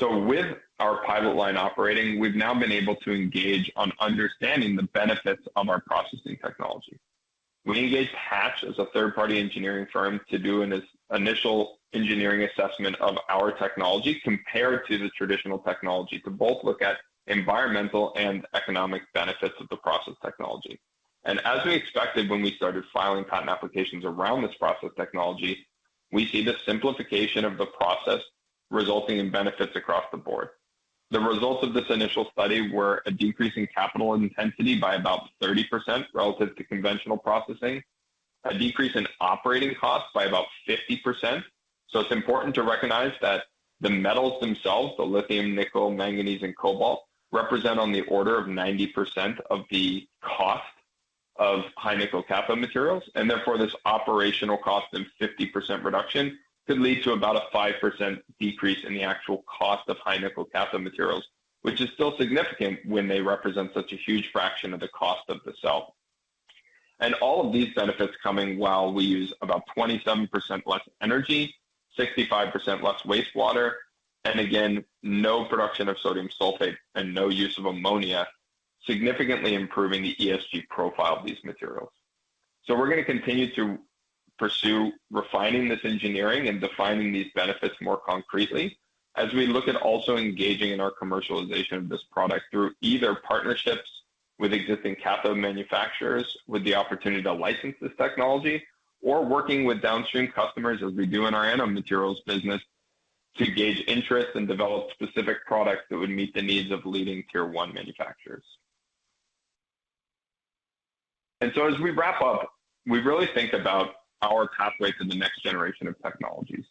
With our pilot line operating, we've now been able to engage on understanding the benefits of our processing technology. We engaged Hatch as a third-party engineering firm to do an initial engineering assessment of our technology compared to the traditional technology, to both look at environmental and economic benefits of the process technology. As we expected when we started filing patent applications around this process technology, we see the simplification of the process resulting in benefits across the board. The results of this initial study were a decrease in capital intensity by about 30% relative to conventional processing, a decrease in operating costs by about 50%. So it's important to recognize that the metals themselves, the lithium, nickel, manganese, and cobalt, represent on the order of 90% of the cost of high-nickel cathode materials. And therefore, this operational cost and 50% reduction could lead to about a 5% decrease in the actual cost of high-nickel cathode materials, which is still significant when they represent such a huge fraction of the cost of the cell. And all of these benefits coming while we use about 27% less energy, 65% less wastewater, and again, no production of sodium sulfate and no use of ammonia, significantly improving the ESG profile of these materials. We're going to continue to pursue refining this engineering and defining these benefits more concretely as we look at also engaging in our commercialization of this product through either partnerships with existing cathode manufacturers, with the opportunity to license this technology, or working with downstream customers, as we do in our anode materials business, to gauge interest and develop specific products that would meet the needs of leading tier one manufacturers. As we wrap up, we really think about our pathway to the next generation of technologies.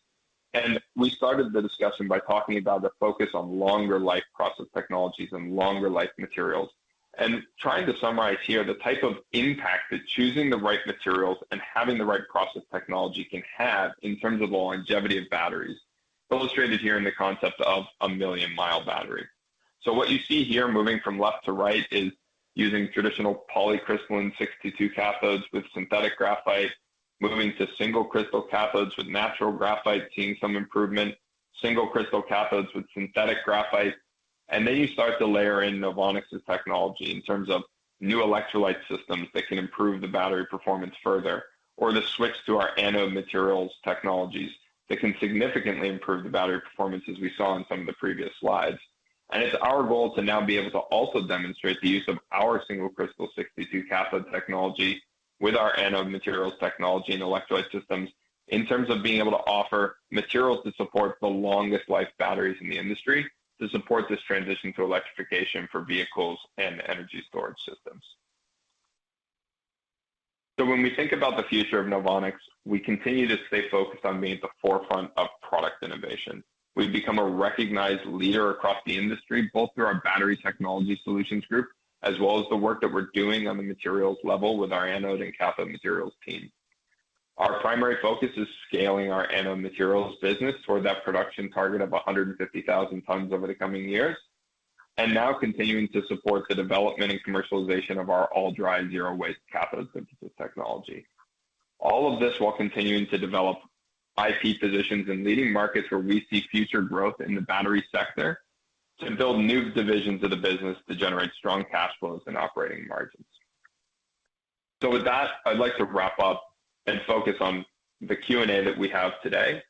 We started the discussion by talking about the focus on longer life process technologies and longer life materials, and trying to summarize here the type of impact that choosing the right materials and having the right process technology can have in terms of the longevity of batteries, illustrated here in the concept of a million-mile battery. So what you see here, moving from left to right, is using traditional polycrystalline 622 cathodes with synthetic graphite, moving to single crystal cathodes with natural graphite, seeing some improvement, single crystal cathodes with synthetic graphite. And then you start to layer in NOVONIX's technology in terms of new electrolyte systems that can improve the battery performance further, or the switch to our anode materials technologies that can significantly improve the battery performance, as we saw in some of the previous slides. And it's our goal to now be able to also demonstrate the use of our single crystal 622 cathode technology with our anode materials technology and electrolyte systems, in terms of being able to offer materials that support the longest life batteries in the industry to support this transition to electrification for vehicles and energy storage systems. So when we think about the future of NOVONIX, we continue to stay focused on being at the forefront of product innovation. We've become a recognized leader across the industry, both through our Battery Technology Solutions group as well as the work that we're doing on the materials level with our anode and Cathode Materials team. Our primary focus is scaling our anode materials business toward that production target of 150,000 tons over the coming years, and now continuing to support the development and commercialization of our all dry, zero waste cathode synthesis technology. All of this while continuing to develop IP positions in leading markets where we see future growth in the battery sector to build new divisions of the business to generate strong cash flows and operating margins. So with that, I'd like to wrap up and focus on the Q&A that we have today.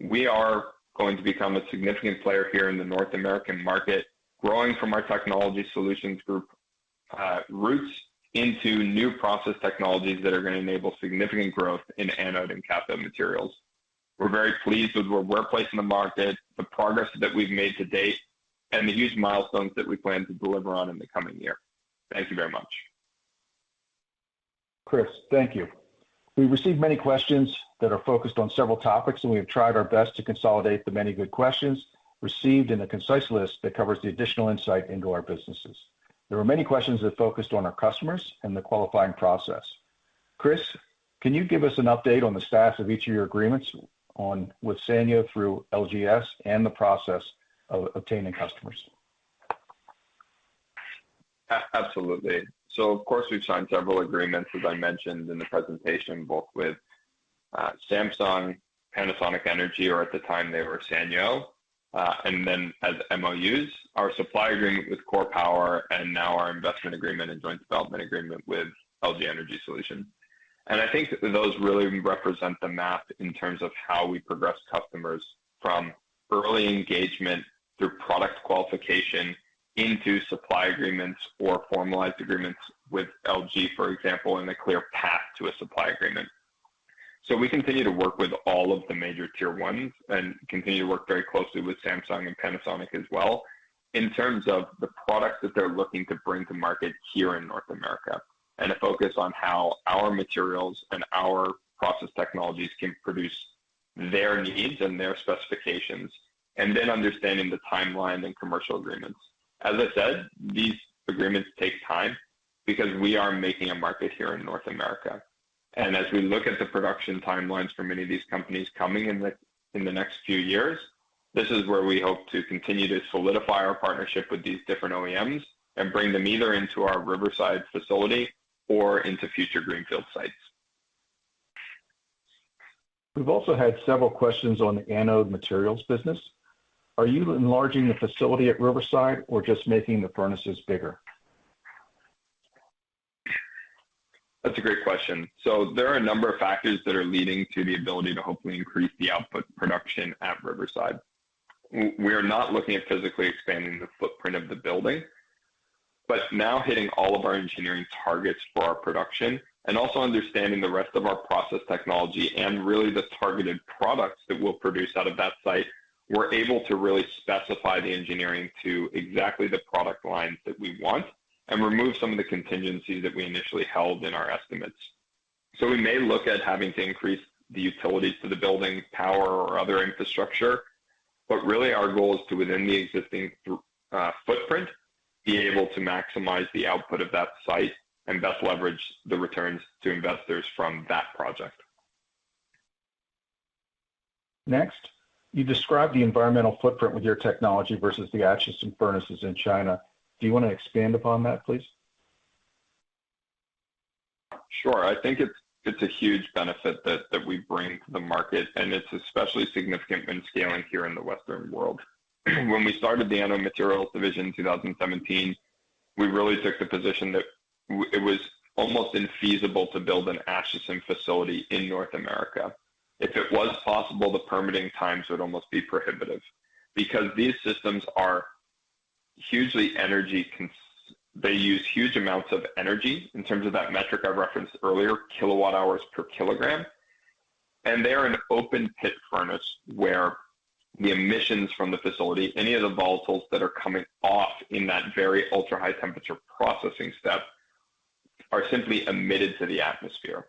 We are going to become a significant player here in the North American market, growing from our technology solutions group roots into new process technologies that are going to enable significant growth in anode and cathode materials. We're very pleased with where we're placed in the market, the progress that we've made to date, and the huge milestones that we plan to deliver on in the coming year. Thank you very much. Chris, thank you. We've received many questions that are focused on several topics, and we have tried our best to consolidate the many good questions received in a concise list that covers the additional insight into our businesses. There were many questions that focused on our customers and the qualifying process. Chris, can you give us an update on the status of each of your agreements on with Sanyo through LGES and the process of obtaining customers? Absolutely. So of course, we've signed several agreements, as I mentioned in the presentation, both with Samsung, Panasonic Energy, or at the time they were Sanyo. And then as MOUs, our supply agreement with KORE Power, and now our investment agreement and joint development agreement with LG Energy Solution. And I think those really represent the map in terms of how we progress customers from early engagement through product qualification into supply agreements or formalized agreements with LG, for example, and a clear path to a supply agreement. So we continue to work with all of the major tier ones and continue to work very closely with Samsung and Panasonic as well in terms of the products that they're looking to bring to market here in North America, and a focus on how our materials and our process technologies can produce their needs and their specifications, and then understanding the timeline and commercial agreements. As I said, these agreements take time because we are making a market here in North America. And as we look at the production timelines for many of these companies coming in the next few years, this is where we hope to continue to solidify our partnership with these different OEMs and bring them either into our Riverside facility or into future greenfield sites. We've also had several questions on the anode materials business. Are you enlarging the facility at Riverside or just making the furnaces bigger? That's a great question. So there are a number of factors that are leading to the ability to hopefully increase the output production at Riverside. We are not looking at physically expanding the footprint of the building, but now hitting all of our engineering targets for our production, and also understanding the rest of our process technology and really the targeted products that we'll produce out of that site, we're able to really specify the engineering to exactly the product lines that we want and remove some of the contingencies that we initially held in our estimates. So we may look at having to increase the utilities to the building, power, or other infrastructure, but really our goal is to, within the existing footprint, be able to maximize the output of that site and thus leverage the returns to investors from that project. Next, you described the environmental footprint with your technology versus the Acheson furnaces in China. Do you want to expand upon that, please? Sure. I think it's a huge benefit that we bring to the market, and it's especially significant when scaling here in the Western world. When we started the Anode Materials division in 2017, we really took the position that it was almost infeasible to build an Acheson facility in North America. If it was possible, the permitting times would almost be prohibitive, because these systems are hugely energy-consuming, they use huge amounts of energy in terms of that metric I referenced earlier, kilowatt hours per kilogram. And they are an open-pit furnace, where the emissions from the facility, any of the volatiles that are coming off in that very ultra-high temperature processing step, are simply emitted to the atmosphere.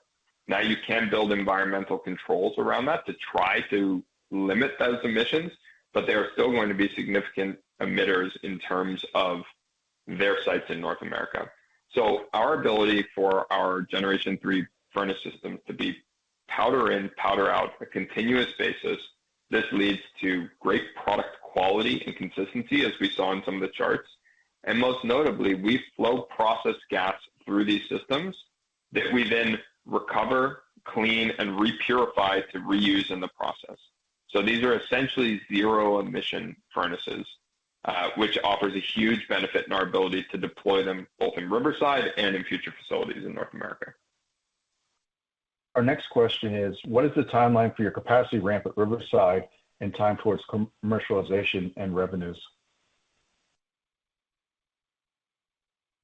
Now, you can build environmental controls around that to try to limit those emissions, but they are still going to be significant emitters in terms of their sites in North America. So our ability for our Generation 3 furnace systems to be powder in, powder out, a continuous basis, this leads to great product quality and consistency, as we saw in some of the charts. And most notably, we flow process gas through these systems that we then recover, clean, and repurify to reuse in the process. So these are essentially zero-emission furnaces, which offers a huge benefit in our ability to deploy them both in Riverside and in future facilities in North America. Our next question is, what is the timeline for your capacity ramp at Riverside and time towards commercialization and revenues?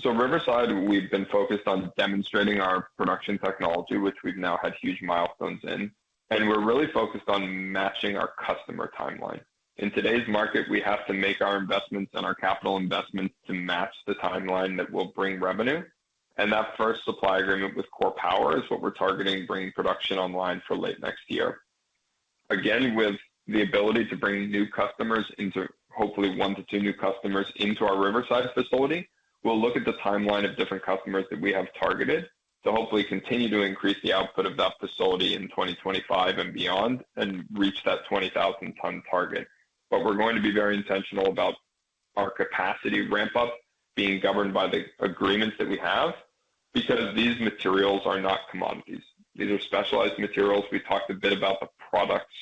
So Riverside, we've been focused on demonstrating our production technology, which we've now had huge milestones in, and we're really focused on matching our customer timeline. In today's market, we have to make our investments and our capital investments to match the timeline that will bring revenue, and that first supply agreement with KORE Power is what we're targeting, bringing production online for late next year. Again, with the ability to bring new customers into... hopefully, 1-2 new customers into our Riverside facility, we'll look at the timeline of different customers that we have targeted to hopefully continue to increase the output of that facility in 2025 and beyond and reach that 20,000-ton target. But we're going to be very intentional about our capacity ramp-up being governed by the agreements that we have, because these materials are not commodities. These are specialized materials. We talked a bit about the products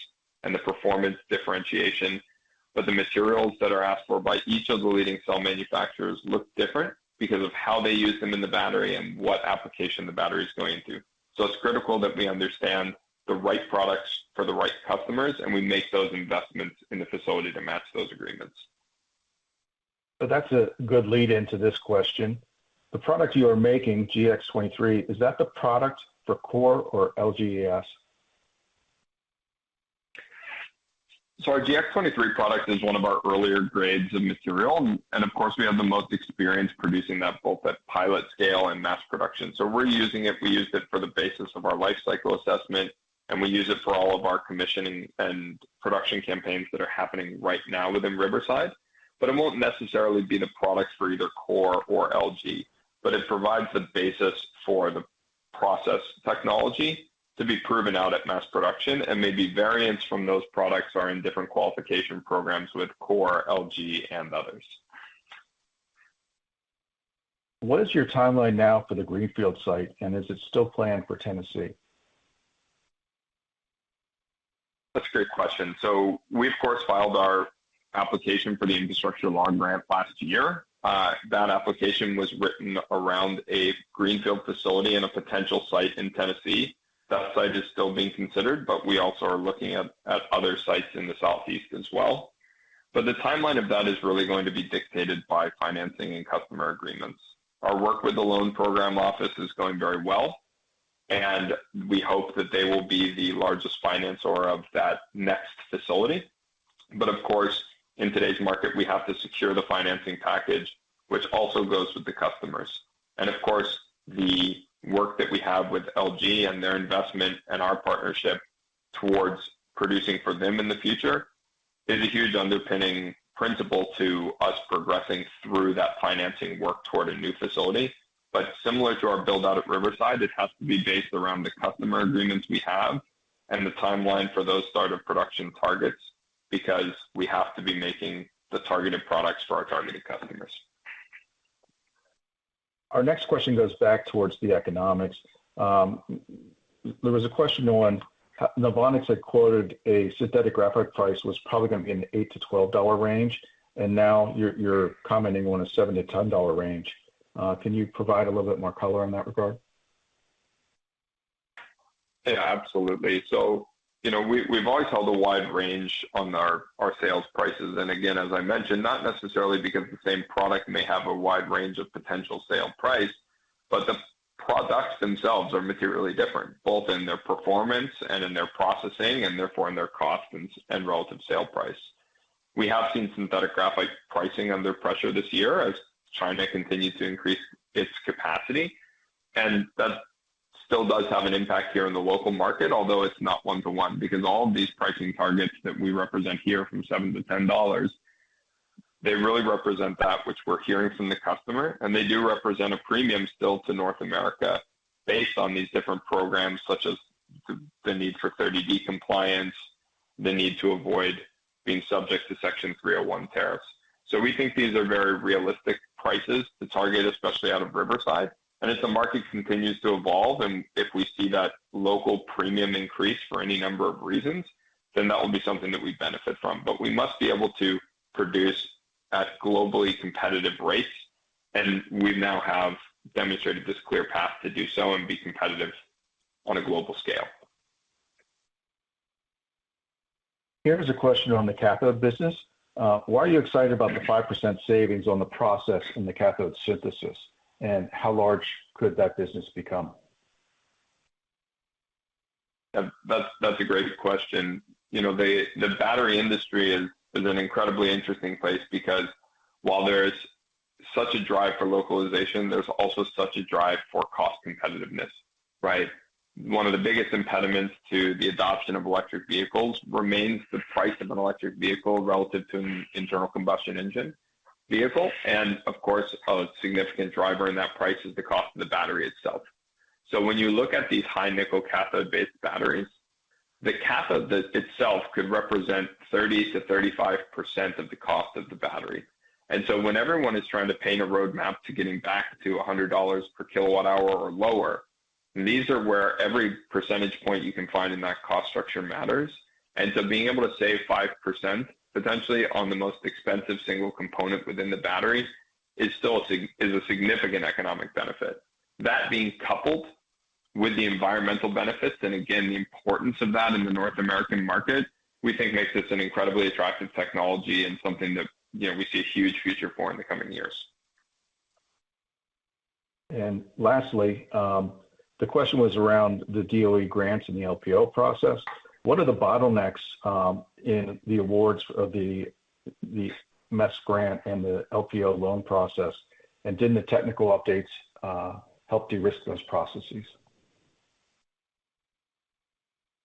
and the performance differentiation, but the materials that are asked for by each of the leading cell manufacturers look different because of how they use them in the battery and what application the battery is going to. It's critical that we understand the right products for the right customers, and we make those investments in the facility to match those agreements. So that's a good lead-in to this question. The product you are making, GX-23, is that the product for KORE or LGES? So our GX-23 product is one of our earlier grades of material, and of course, we have the most experience producing that, both at pilot scale and mass production. So we're using it. We used it for the basis of our life cycle assessment, and we use it for all of our commissioning and production campaigns that are happening right now within Riverside. But it won't necessarily be the product for either KORE or LG, but it provides the basis for the process technology to be proven out at mass production, and maybe variants from those products are in different qualification programs with KORE, LG, and others. What is your timeline now for the greenfield site, and is it still planned for Tennessee? That's a great question. So we, of course, filed our application for the Infrastructure Law grant last year. That application was written around a greenfield facility and a potential site in Tennessee. That site is still being considered, but we also are looking at, at other sites in the Southeast as well. But the timeline of that is really going to be dictated by financing and customer agreements. Our work with the Loan Programs Office is going very well, and we hope that they will be the largest financer of that next facility. But of course, in today's market, we have to secure the financing package, which also goes with the customers. Of course, the work that we have with LG and their investment and our partnership towards producing for them in the future is a huge underpinning principle to us progressing through that financing work toward a new facility. Similar to our build-out at Riverside, it has to be based around the customer agreements we have and the timeline for those start-of-production targets, because we have to be making the targeted products for our targeted customers. Our next question goes back towards the economics. There was a question on, NOVONIX had quoted a synthetic graphite price was probably going to be in the $8-$12 range, and now you're, you're commenting on a $7-$10 range. Can you provide a little bit more color in that regard?... Yeah, absolutely. So, you know, we, we've always held a wide range on our, our sales prices, and again, as I mentioned, not necessarily because the same product may have a wide range of potential sale price, but the products themselves are materially different, both in their performance and in their processing, and therefore, in their cost and, and relative sale price. We have seen synthetic graphite pricing under pressure this year as China continues to increase its capacity, and that still does have an impact here in the local market, although it's not one-to-one, because all of these pricing targets that we represent here from $7-$10, they really represent that which we're hearing from the customer, and they do represent a premium still to North America based on these different programs, such as the need for 30D compliance, the need to avoid being subject to Section 301 tariffs. So we think these are very realistic prices to target, especially out of Riverside. As the market continues to evolve, and if we see that local premium increase for any number of reasons, then that will be something that we benefit from. But we must be able to produce at globally competitive rates, and we now have demonstrated this clear path to do so and be competitive on a global scale. Here is a question on the cathode business. Why are you excited about the 5% savings on the process in the cathode synthesis, and how large could that business become? That's a great question. You know, the battery industry is an incredibly interesting place because while there's such a drive for localization, there's also such a drive for cost competitiveness, right? One of the biggest impediments to the adoption of electric vehicles remains the price of an electric vehicle relative to an internal combustion engine vehicle. And of course, a significant driver in that price is the cost of the battery itself. So when you look at these high nickel cathode-based batteries, the cathode itself could represent 30%-35% of the cost of the battery. And so when everyone is trying to paint a roadmap to getting back to $100 per kilowatt hour or lower, these are where every percentage point you can find in that cost structure matters. And so being able to save 5%, potentially on the most expensive single component within the battery, is still a significant economic benefit. That being coupled with the environmental benefits, and again, the importance of that in the North American market, we think makes this an incredibly attractive technology and something that, you know, we see a huge future for in the coming years. And lastly, the question was around the DOE grants and the LPO process. What are the bottlenecks, in the awards of the, the MESC grant and the LPO loan process? And did the technical updates, help de-risk those processes?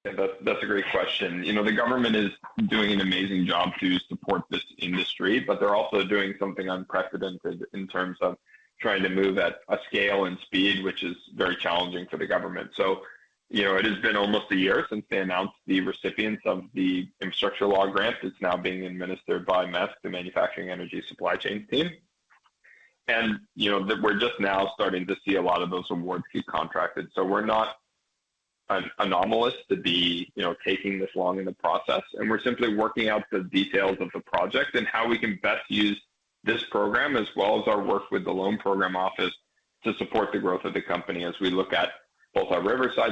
Yeah, that's, that's a great question. You know, the government is doing an amazing job to support this industry, but they're also doing something unprecedented in terms of trying to move at a scale and speed, which is very challenging for the government. So, you know, it has been almost a year since they announced the recipients of the Infrastructure Law grant. It's now being administered by MESC, the Manufacturing Energy Supply Chain team. And, you know, the, we're just now starting to see a lot of those awards get contracted. So we're not an anomaly to be, you know, taking this long in the process, and we're simply working out the details of the project and how we can best use this program, as well as our work with the Loan Programs Office to support the growth of the company as we look at both our Riverside-